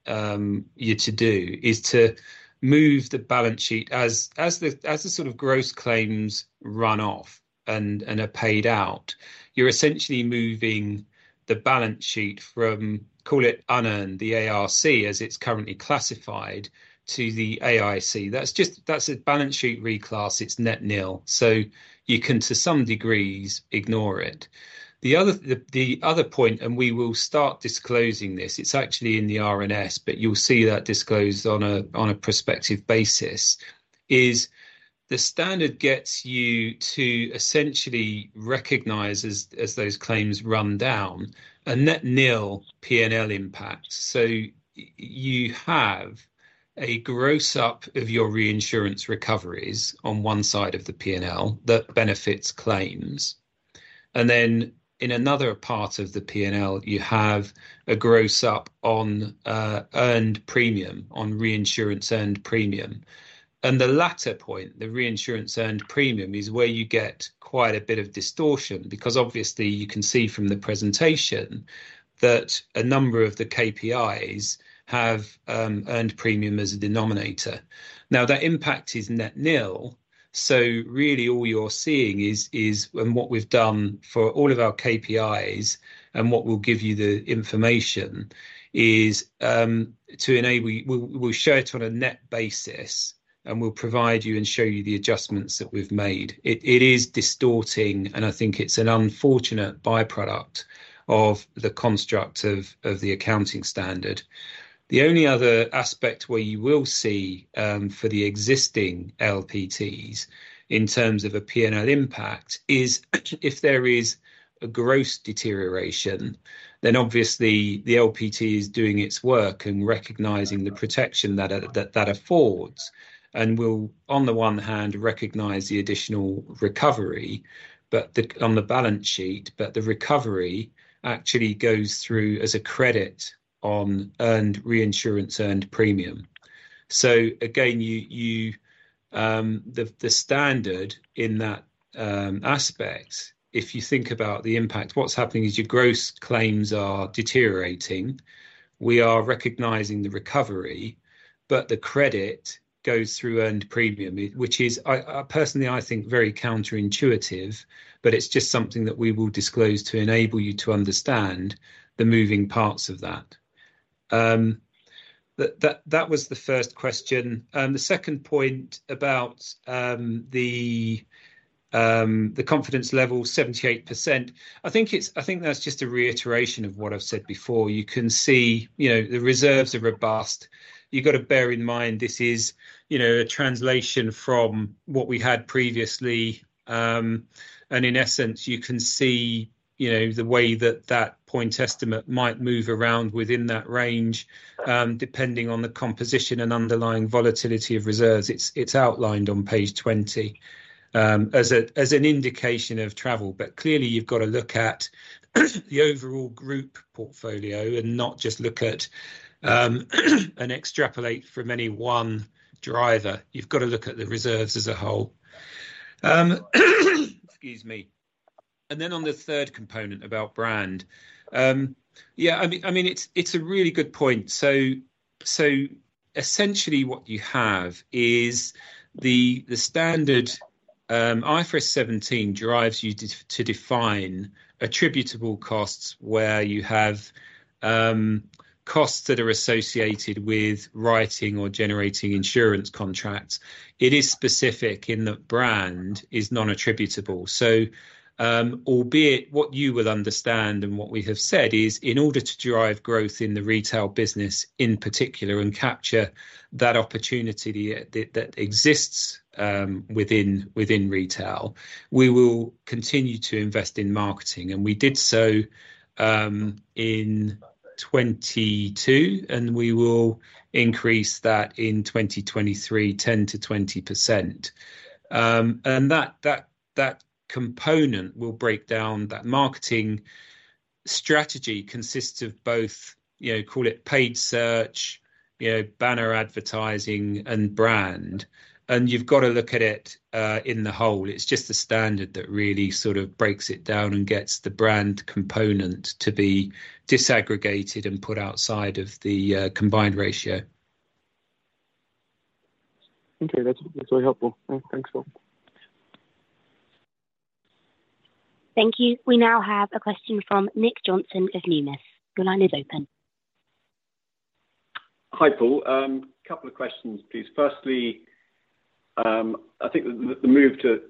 you to do is to move the balance sheet as the sort of gross claims run off and are paid out, you're essentially moving the balance sheet from, call it unearned, the ARC, as it's currently classified, to the AIC. That's just a balance sheet reclass, it's net nil, so you can, to some degrees, ignore it. The other point, we will start disclosing this, it's actually in the RNS, you'll see that disclosed on a prospective basis, is the standard gets you to essentially recognize as those claims run down, a net nil P&L impact. You have a gross up of your reinsurance recoveries on one side of the P&L that benefits claims, and then in another part of the P&L, you have a gross up on earned premium, on reinsurance earned premium. The latter point, the reinsurance earned premium, is where you get quite a bit of distortion, because obviously, you can see from the presentation, that a number of the KPIs have earned premium as a denominator. That impact is net nil. Really, all you're seeing is, and what we've done for all of our KPIs, and what we'll give you the information, is. We'll show it on a net basis, and we'll provide you and show you the adjustments that we've made. It is distorting. I think it's an unfortunate by-product of the construct of the accounting standard. The only other aspect where you will see for the existing LPTs, in terms of a P&L impact, is if there is a gross deterioration. Obviously, the LPT is doing its work and recognizing the protection that affords, and will, on the one hand, recognize the additional recovery, but on the balance sheet, the recovery actually goes through as a credit on earned reinsurance earned premium. Again, you, the standard in that aspect, if you think about the impact, what's happening is your gross claims are deteriorating. We are recognizing the recovery, but the credit goes through earned premium, which is, I personally, I think, very counterintuitive, but it's just something that we will disclose to enable you to understand the moving parts of that. That was the first question. The second point about the confidence level, 78%, I think that's just a reiteration of what I've said before. You can see, you know, the reserves are robust. You've got to bear in mind this is, you know, a translation from what we had previously. In essence, you can see, you know, the way that that point estimate might move around within that range, depending on the composition and underlying volatility of reserves. It's, it's outlined on page 20, as an indication of travel. Clearly, you've got to look at the overall group portfolio and not just look at, and extrapolate from any one driver. You've got to look at the reserves as a whole. Excuse me. Then on the third component about brand. Yeah, I mean, it's a really good point. Essentially, what you have is the standard IFRS 17 drives you to define attributable costs, where you have costs that are associated with writing or generating insurance contracts. It is specific in that brand is non-attributable. Albeit what you would understand and what we have said is, in order to drive growth in the Retail business, in particular, and capture that opportunity that exists within Retail, we will continue to invest in marketing. We did so in 2022, and we will increase that in 2023, 10%-20%. That component will break down. That marketing strategy consists of both, you know, call it paid search, you know, banner advertising, and brand, and you've got to look at it in the whole. It's just the standard that really sort of breaks it down and gets the brand component to be disaggregated and put outside of the combined ratio. Okay, that's very helpful. Thanks, Paul. Thank you. We now have a question from Nick Johnson of Numis. Your line is open. Hi, Paul. A couple of questions, please. Firstly, I think the move to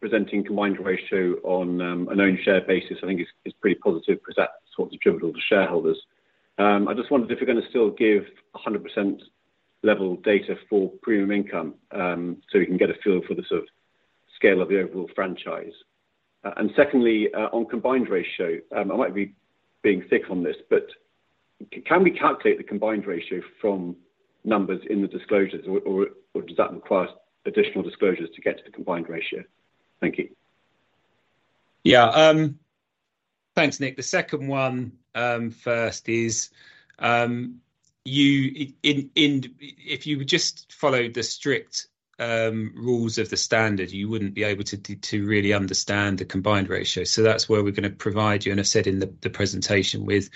presenting combined ratio on an owned share basis, I think is pretty positive because that's what's attributable to shareholders. I just wondered if you're gonna still give a 100% level data for premium income, so we can get a feel for the sort of scale of the overall franchise. Secondly, on combined ratio, I might be being thick on this, but can we calculate the combined ratio from numbers in the disclosures or does that require additional disclosures to get to the combined ratio? Thank you. Yeah, thanks, Nick. The second one, first is, you, if you just followed the strict rules of the standard, you wouldn't be able to really understand the combined ratio. That's where we're gonna provide you, and I said in the presentation, with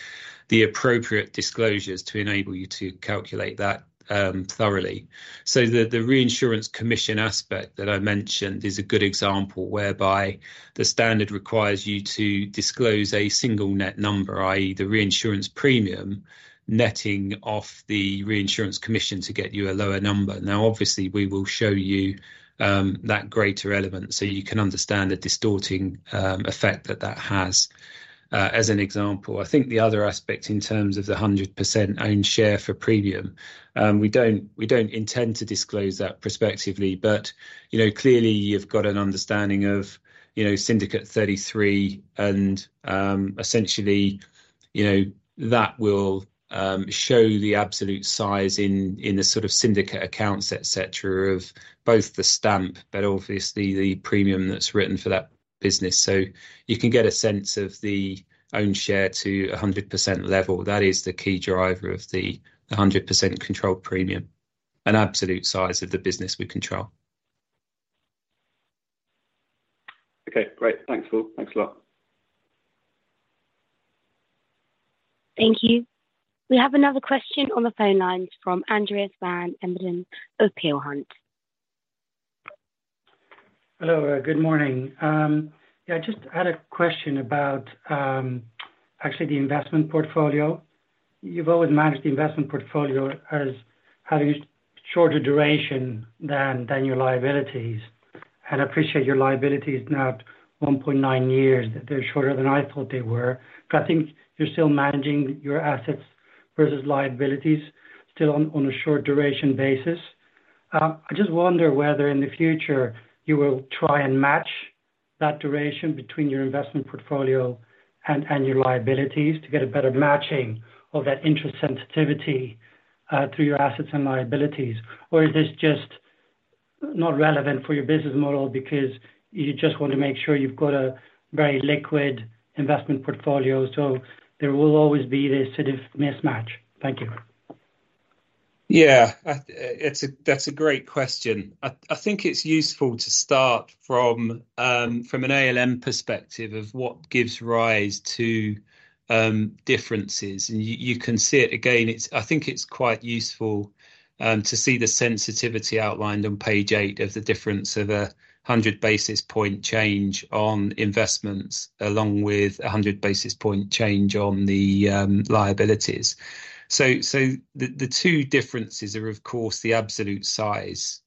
the appropriate disclosures to enable you to calculate that thoroughly. The reinsurance commission aspect that I mentioned is a good example, whereby the standard requires you to disclose a single net number, i.e., the reinsurance premium, netting off the reinsurance commission to get you a lower number. Obviously, we will show you that greater element so you can understand the distorting effect that that has as an example. I think the other aspect in terms of the 100% own share for premium, we don't intend to disclose that prospectively, but, you know, clearly you've got an understanding of, you know, Syndicate 33 and, essentially, you know, that will show the absolute size in the sort of syndicate accounts, et cetera, of both the stamp, but obviously the premium that's written for that business. You can get a sense of the own share to a 100% level. That is the key driver of the 100% controlled premium and absolute size of the business we control. Okay, great. Thanks, Paul. Thanks a lot. Thank you. We have another question on the phone lines from Andreas van Embden of Peel Hunt. Hello, good morning. Yeah, I just had a question about actually the investment portfolio. You've always managed the investment portfolio as having a shorter duration than your liabilities. I appreciate your liability is now at 1.9 years. They're shorter than I thought they were. I think you're still managing your assets versus liabilities still on a short duration basis. I just wonder whether in the future you will try and match that duration between your investment portfolio and your liabilities to get a better matching of that interest sensitivity to your assets and liabilities. Is this just not relevant for your business model because you just want to make sure you've got a very liquid investment portfolio, so there will always be this sort of mismatch? Thank you. Yeah, that's a great question. I think it's useful to start from an ALM perspective of what gives rise to differences, and you can see it again. I think it's quite useful to see the sensitivity outlined on page eight of the difference of a 100 basis point change on investments, along with a 100 basis point change on the liabilities. The two differences are, of course, the absolute size.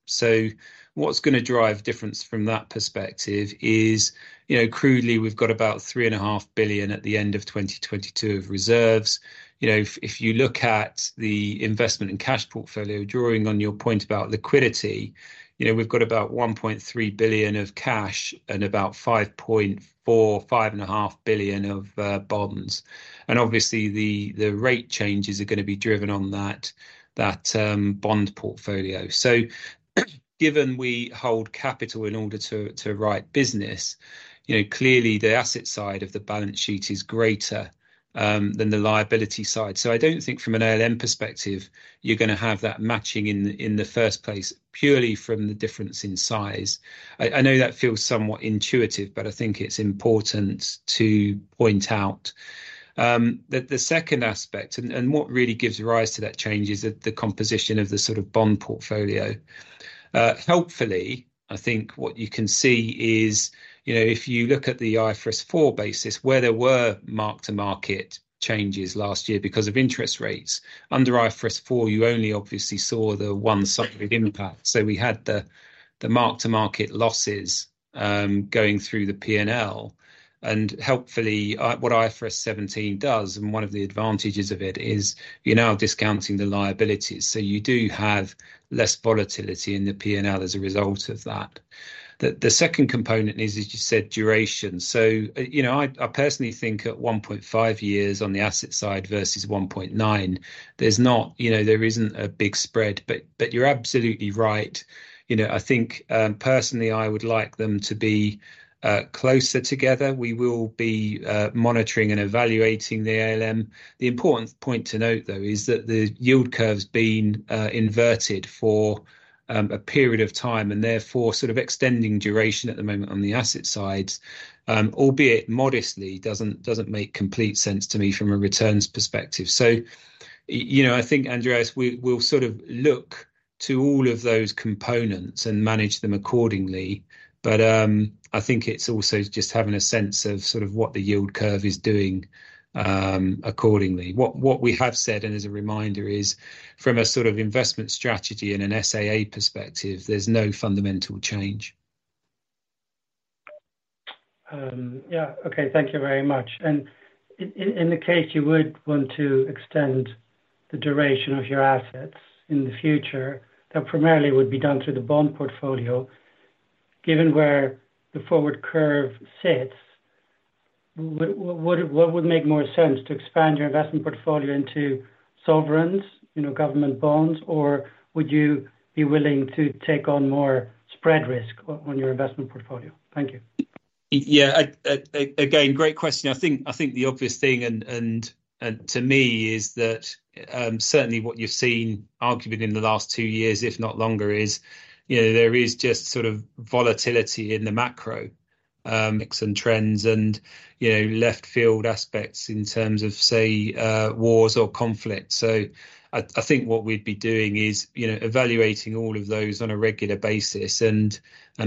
What's gonna drive difference from that perspective is, you know, crudely, we've got about $3.5 billion at the end of 2022 of reserves. You know, if you look at the investment and cash portfolio, drawing on your point about liquidity, you know, we've got about $1.3 billion of cash and about $5.4 billion-$5.5 billion of bonds. Obviously, the rate changes are gonna be driven on that bond portfolio. Given we hold capital in order to write business, you know, clearly the asset side of the balance sheet is greater than the liability side. I don't think from an ALM perspective, you're gonna have that matching in the first place, purely from the difference in size. I know that feels somewhat intuitive, but I think it's important to point out. The second aspect and what really gives rise to that change is the composition of the sort of bond portfolio. Helpfully, I think what you can see is, you know, if you look at the IFRS 4 basis, where there were mark-to-market changes last year because of interest rates, under IFRS 4, you only obviously saw the one subject impact. We had the mark-to-market losses going through the P&L. Helpfully, what IFRS 17 does, and one of the advantages of it, is you're now discounting the liabilities, so you do have less volatility in the P&L as a result of that. The, the second component is, as you said, duration. You know, I personally think at 1.5 years on the asset side versus 1.9, there's not, you know, there isn't a big spread, but you're absolutely right. You know, I think personally, I would like them to be closer together. We will be monitoring and evaluating the ALM. The important point to note, though, is that the yield curve's been inverted for a period of time, and therefore, sort of extending duration at the moment on the asset side, albeit modestly, doesn't make complete sense to me from a returns perspective. You know, I think, Andreas, we'll sort of look to all of those components and manage them accordingly, but I think it's also just having a sense of sort of what the yield curve is doing accordingly. What we have said, and as a reminder, is from a sort of investment strategy and an SAA perspective, there's no fundamental change. Yeah. Okay, thank you very much. In the case you would want to extend the duration of your assets in the future, that primarily would be done through the bond portfolio. Given where the forward curve sits, what would make more sense to expand your investment portfolio into sovereigns, you know, government bonds, or would you be willing to take on more spread risk on your investment portfolio? Thank you. Yeah. Again, great question. I think the obvious thing and to me is that certainly what you've seen arguably in the last two years, if not longer, is, you know, there is just sort of volatility in the macro mix and trends and, you know, left field aspects in terms of, say, wars or conflict. I think what we'd be doing is, you know, evaluating all of those on a regular basis and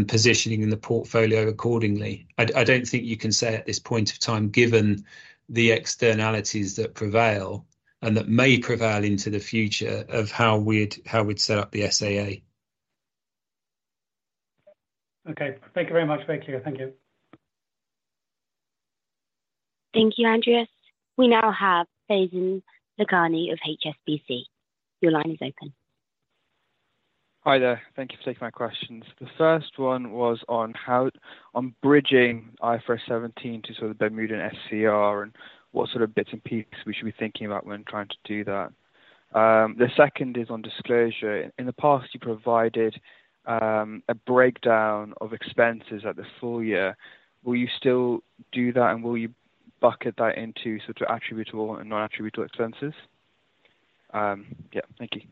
positioning the portfolio accordingly. I don't think you can say at this point of time, given the externalities that prevail, and that may prevail into the future, of how we'd set up the SAA. Okay. Thank you very much. Thank you. Thank you. Thank you, Andreas. We now have Faizan Lakhani of HSBC. Your line is open. Hi there. Thank you for taking my questions. The first one was On bridging IFRS 17 to sort of Bermuda SCR, and what sort of bits and pieces we should be thinking about when trying to do that. The second is on disclosure. In the past, you provided a breakdown of expenses at the full year. Will you still do that, and will you bucket that into sort of attributable and non-attributable expenses? Thank you.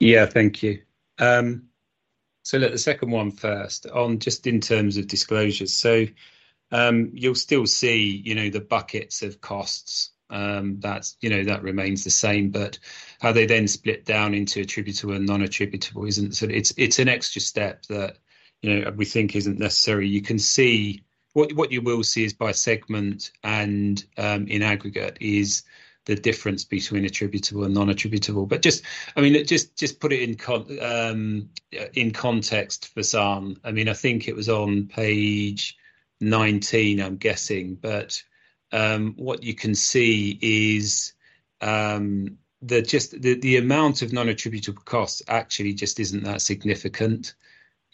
Yeah, thank you. Look, the second one first, on just in terms of disclosures. You'll still see, you know, the buckets of costs. That's, you know, that remains the same, how they then split down into attributable and non-attributable isn't. It's, it's an extra step that, you know, we think isn't necessary. You can see, what you will see is by segment and, in aggregate, is the difference between attributable and non-attributable. I mean, just put it in context for some, I mean, I think it was on page 19, I'm guessing, what you can see is, the amount of non-attributable costs actually isn't that significant.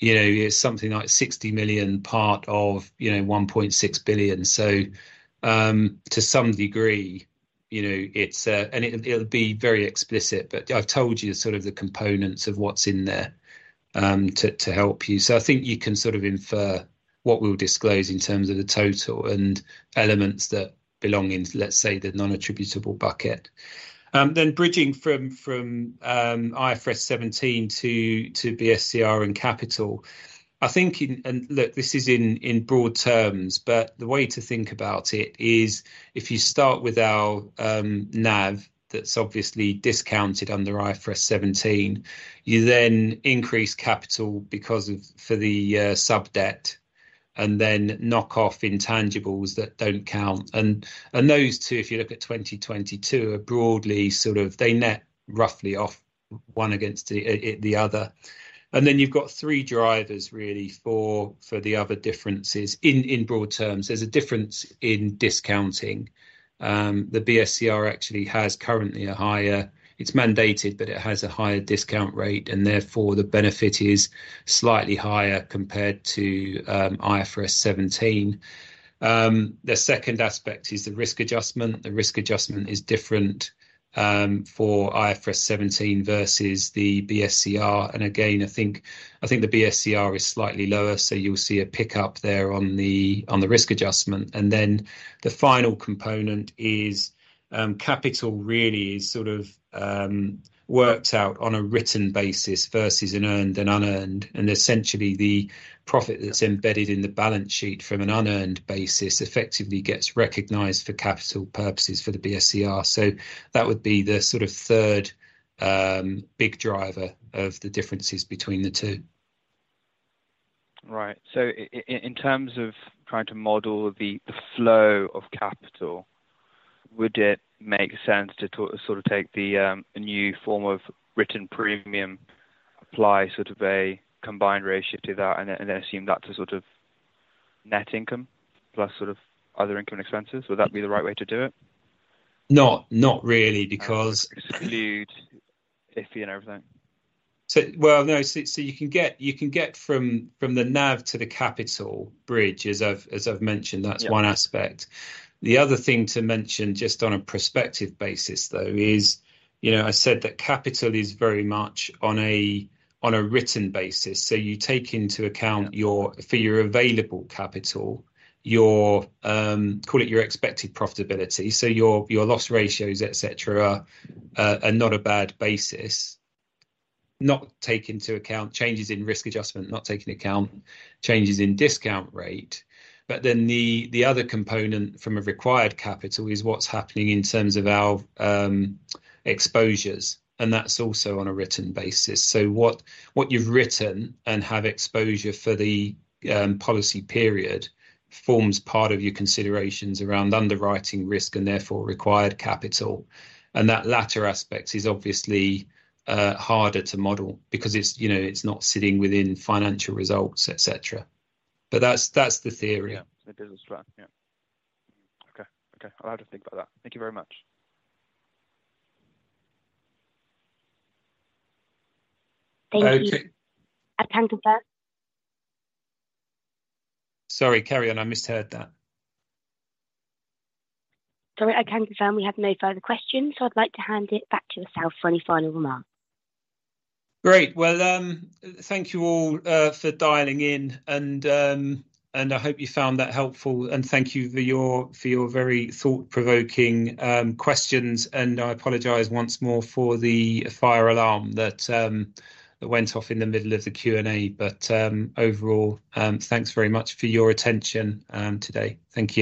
You know, it's something like $60 million, part of, you know, $1.6 billion. To some degree, you know, it'll be very explicit, but I've told you sort of the components of what's in there to help you. I think you can sort of infer what we'll disclose in terms of the total and elements that belong in, let's say, the non-attributable bucket. Bridging from IFRS 17 to BSCR and capital, I think in broad terms, but the way to think about it is if you start with our NAV, that's obviously discounted under IFRS 17, you then increase capital for the sub-debt, and then knock off intangibles that don't count. Those two, if you look at 2022, are broadly sort of, they net roughly off one against the other. Then you've got three drivers really for the other differences in broad terms. There's a difference in discounting. The BSCR actually has currently a higher, it's mandated, but it has a higher discount rate, and therefore, the benefit is slightly higher compared to IFRS 17. The second aspect is the risk adjustment. The risk adjustment is different for IFRS 17 versus the BSCR, again, I think the BSCR is slightly lower, so you'll see a pickup there on the risk adjustment. Then, the final component is capital really is sort of worked out on a written basis versus an earned and unearned, and essentially the profit that's embedded in the balance sheet from an unearned basis effectively gets recognized for capital purposes for the BSCR. That would be the sort of third big driver of the differences between the two. Right. In terms of trying to model the flow of capital, would it make sense to sort of take the new form of written premium, apply sort of a combined ratio to that, and then assume that to sort of net income, plus sort of other income expenses? Would that be the right way to do it? Not really. exclude iffy and everything. Well, no, so you can get from the NAV to the capital bridge, as I've mentioned, that's one aspect. Yeah. The other thing to mention, just on a prospective basis, though, is, you know, I said that capital is very much on a, on a written basis. You take into account your, for your available capital, your call it your expected profitability. Your loss ratios, et cetera, are not a bad basis. Not take into account changes in risk adjustment, not take into account changes in discount rate, but then the other component from a required capital is what's happening in terms of our exposures, and that's also on a written basis. What you've written and have exposure for the policy period forms part of your considerations around underwriting risk and therefore required capital, and that latter aspect is obviously harder to model because it's, you know, it's not sitting within financial results, et cetera. That's the theory, yeah. The business plan. Yeah. Okay. Okay, I'll have to think about that. Thank you very much. Thank you. Okay. I can confirm- Sorry, carry on. I misheard that. Sorry, I can confirm we have no further questions, so I'd like to hand it back to yourself for any final remarks. Great! Well, thank you all for dialing in, and I hope you found that helpful, and thank you for your very thought-provoking questions. I apologize once more for the fire alarm that went off in the middle of the Q&A, but overall, thanks very much for your attention today. Thank you.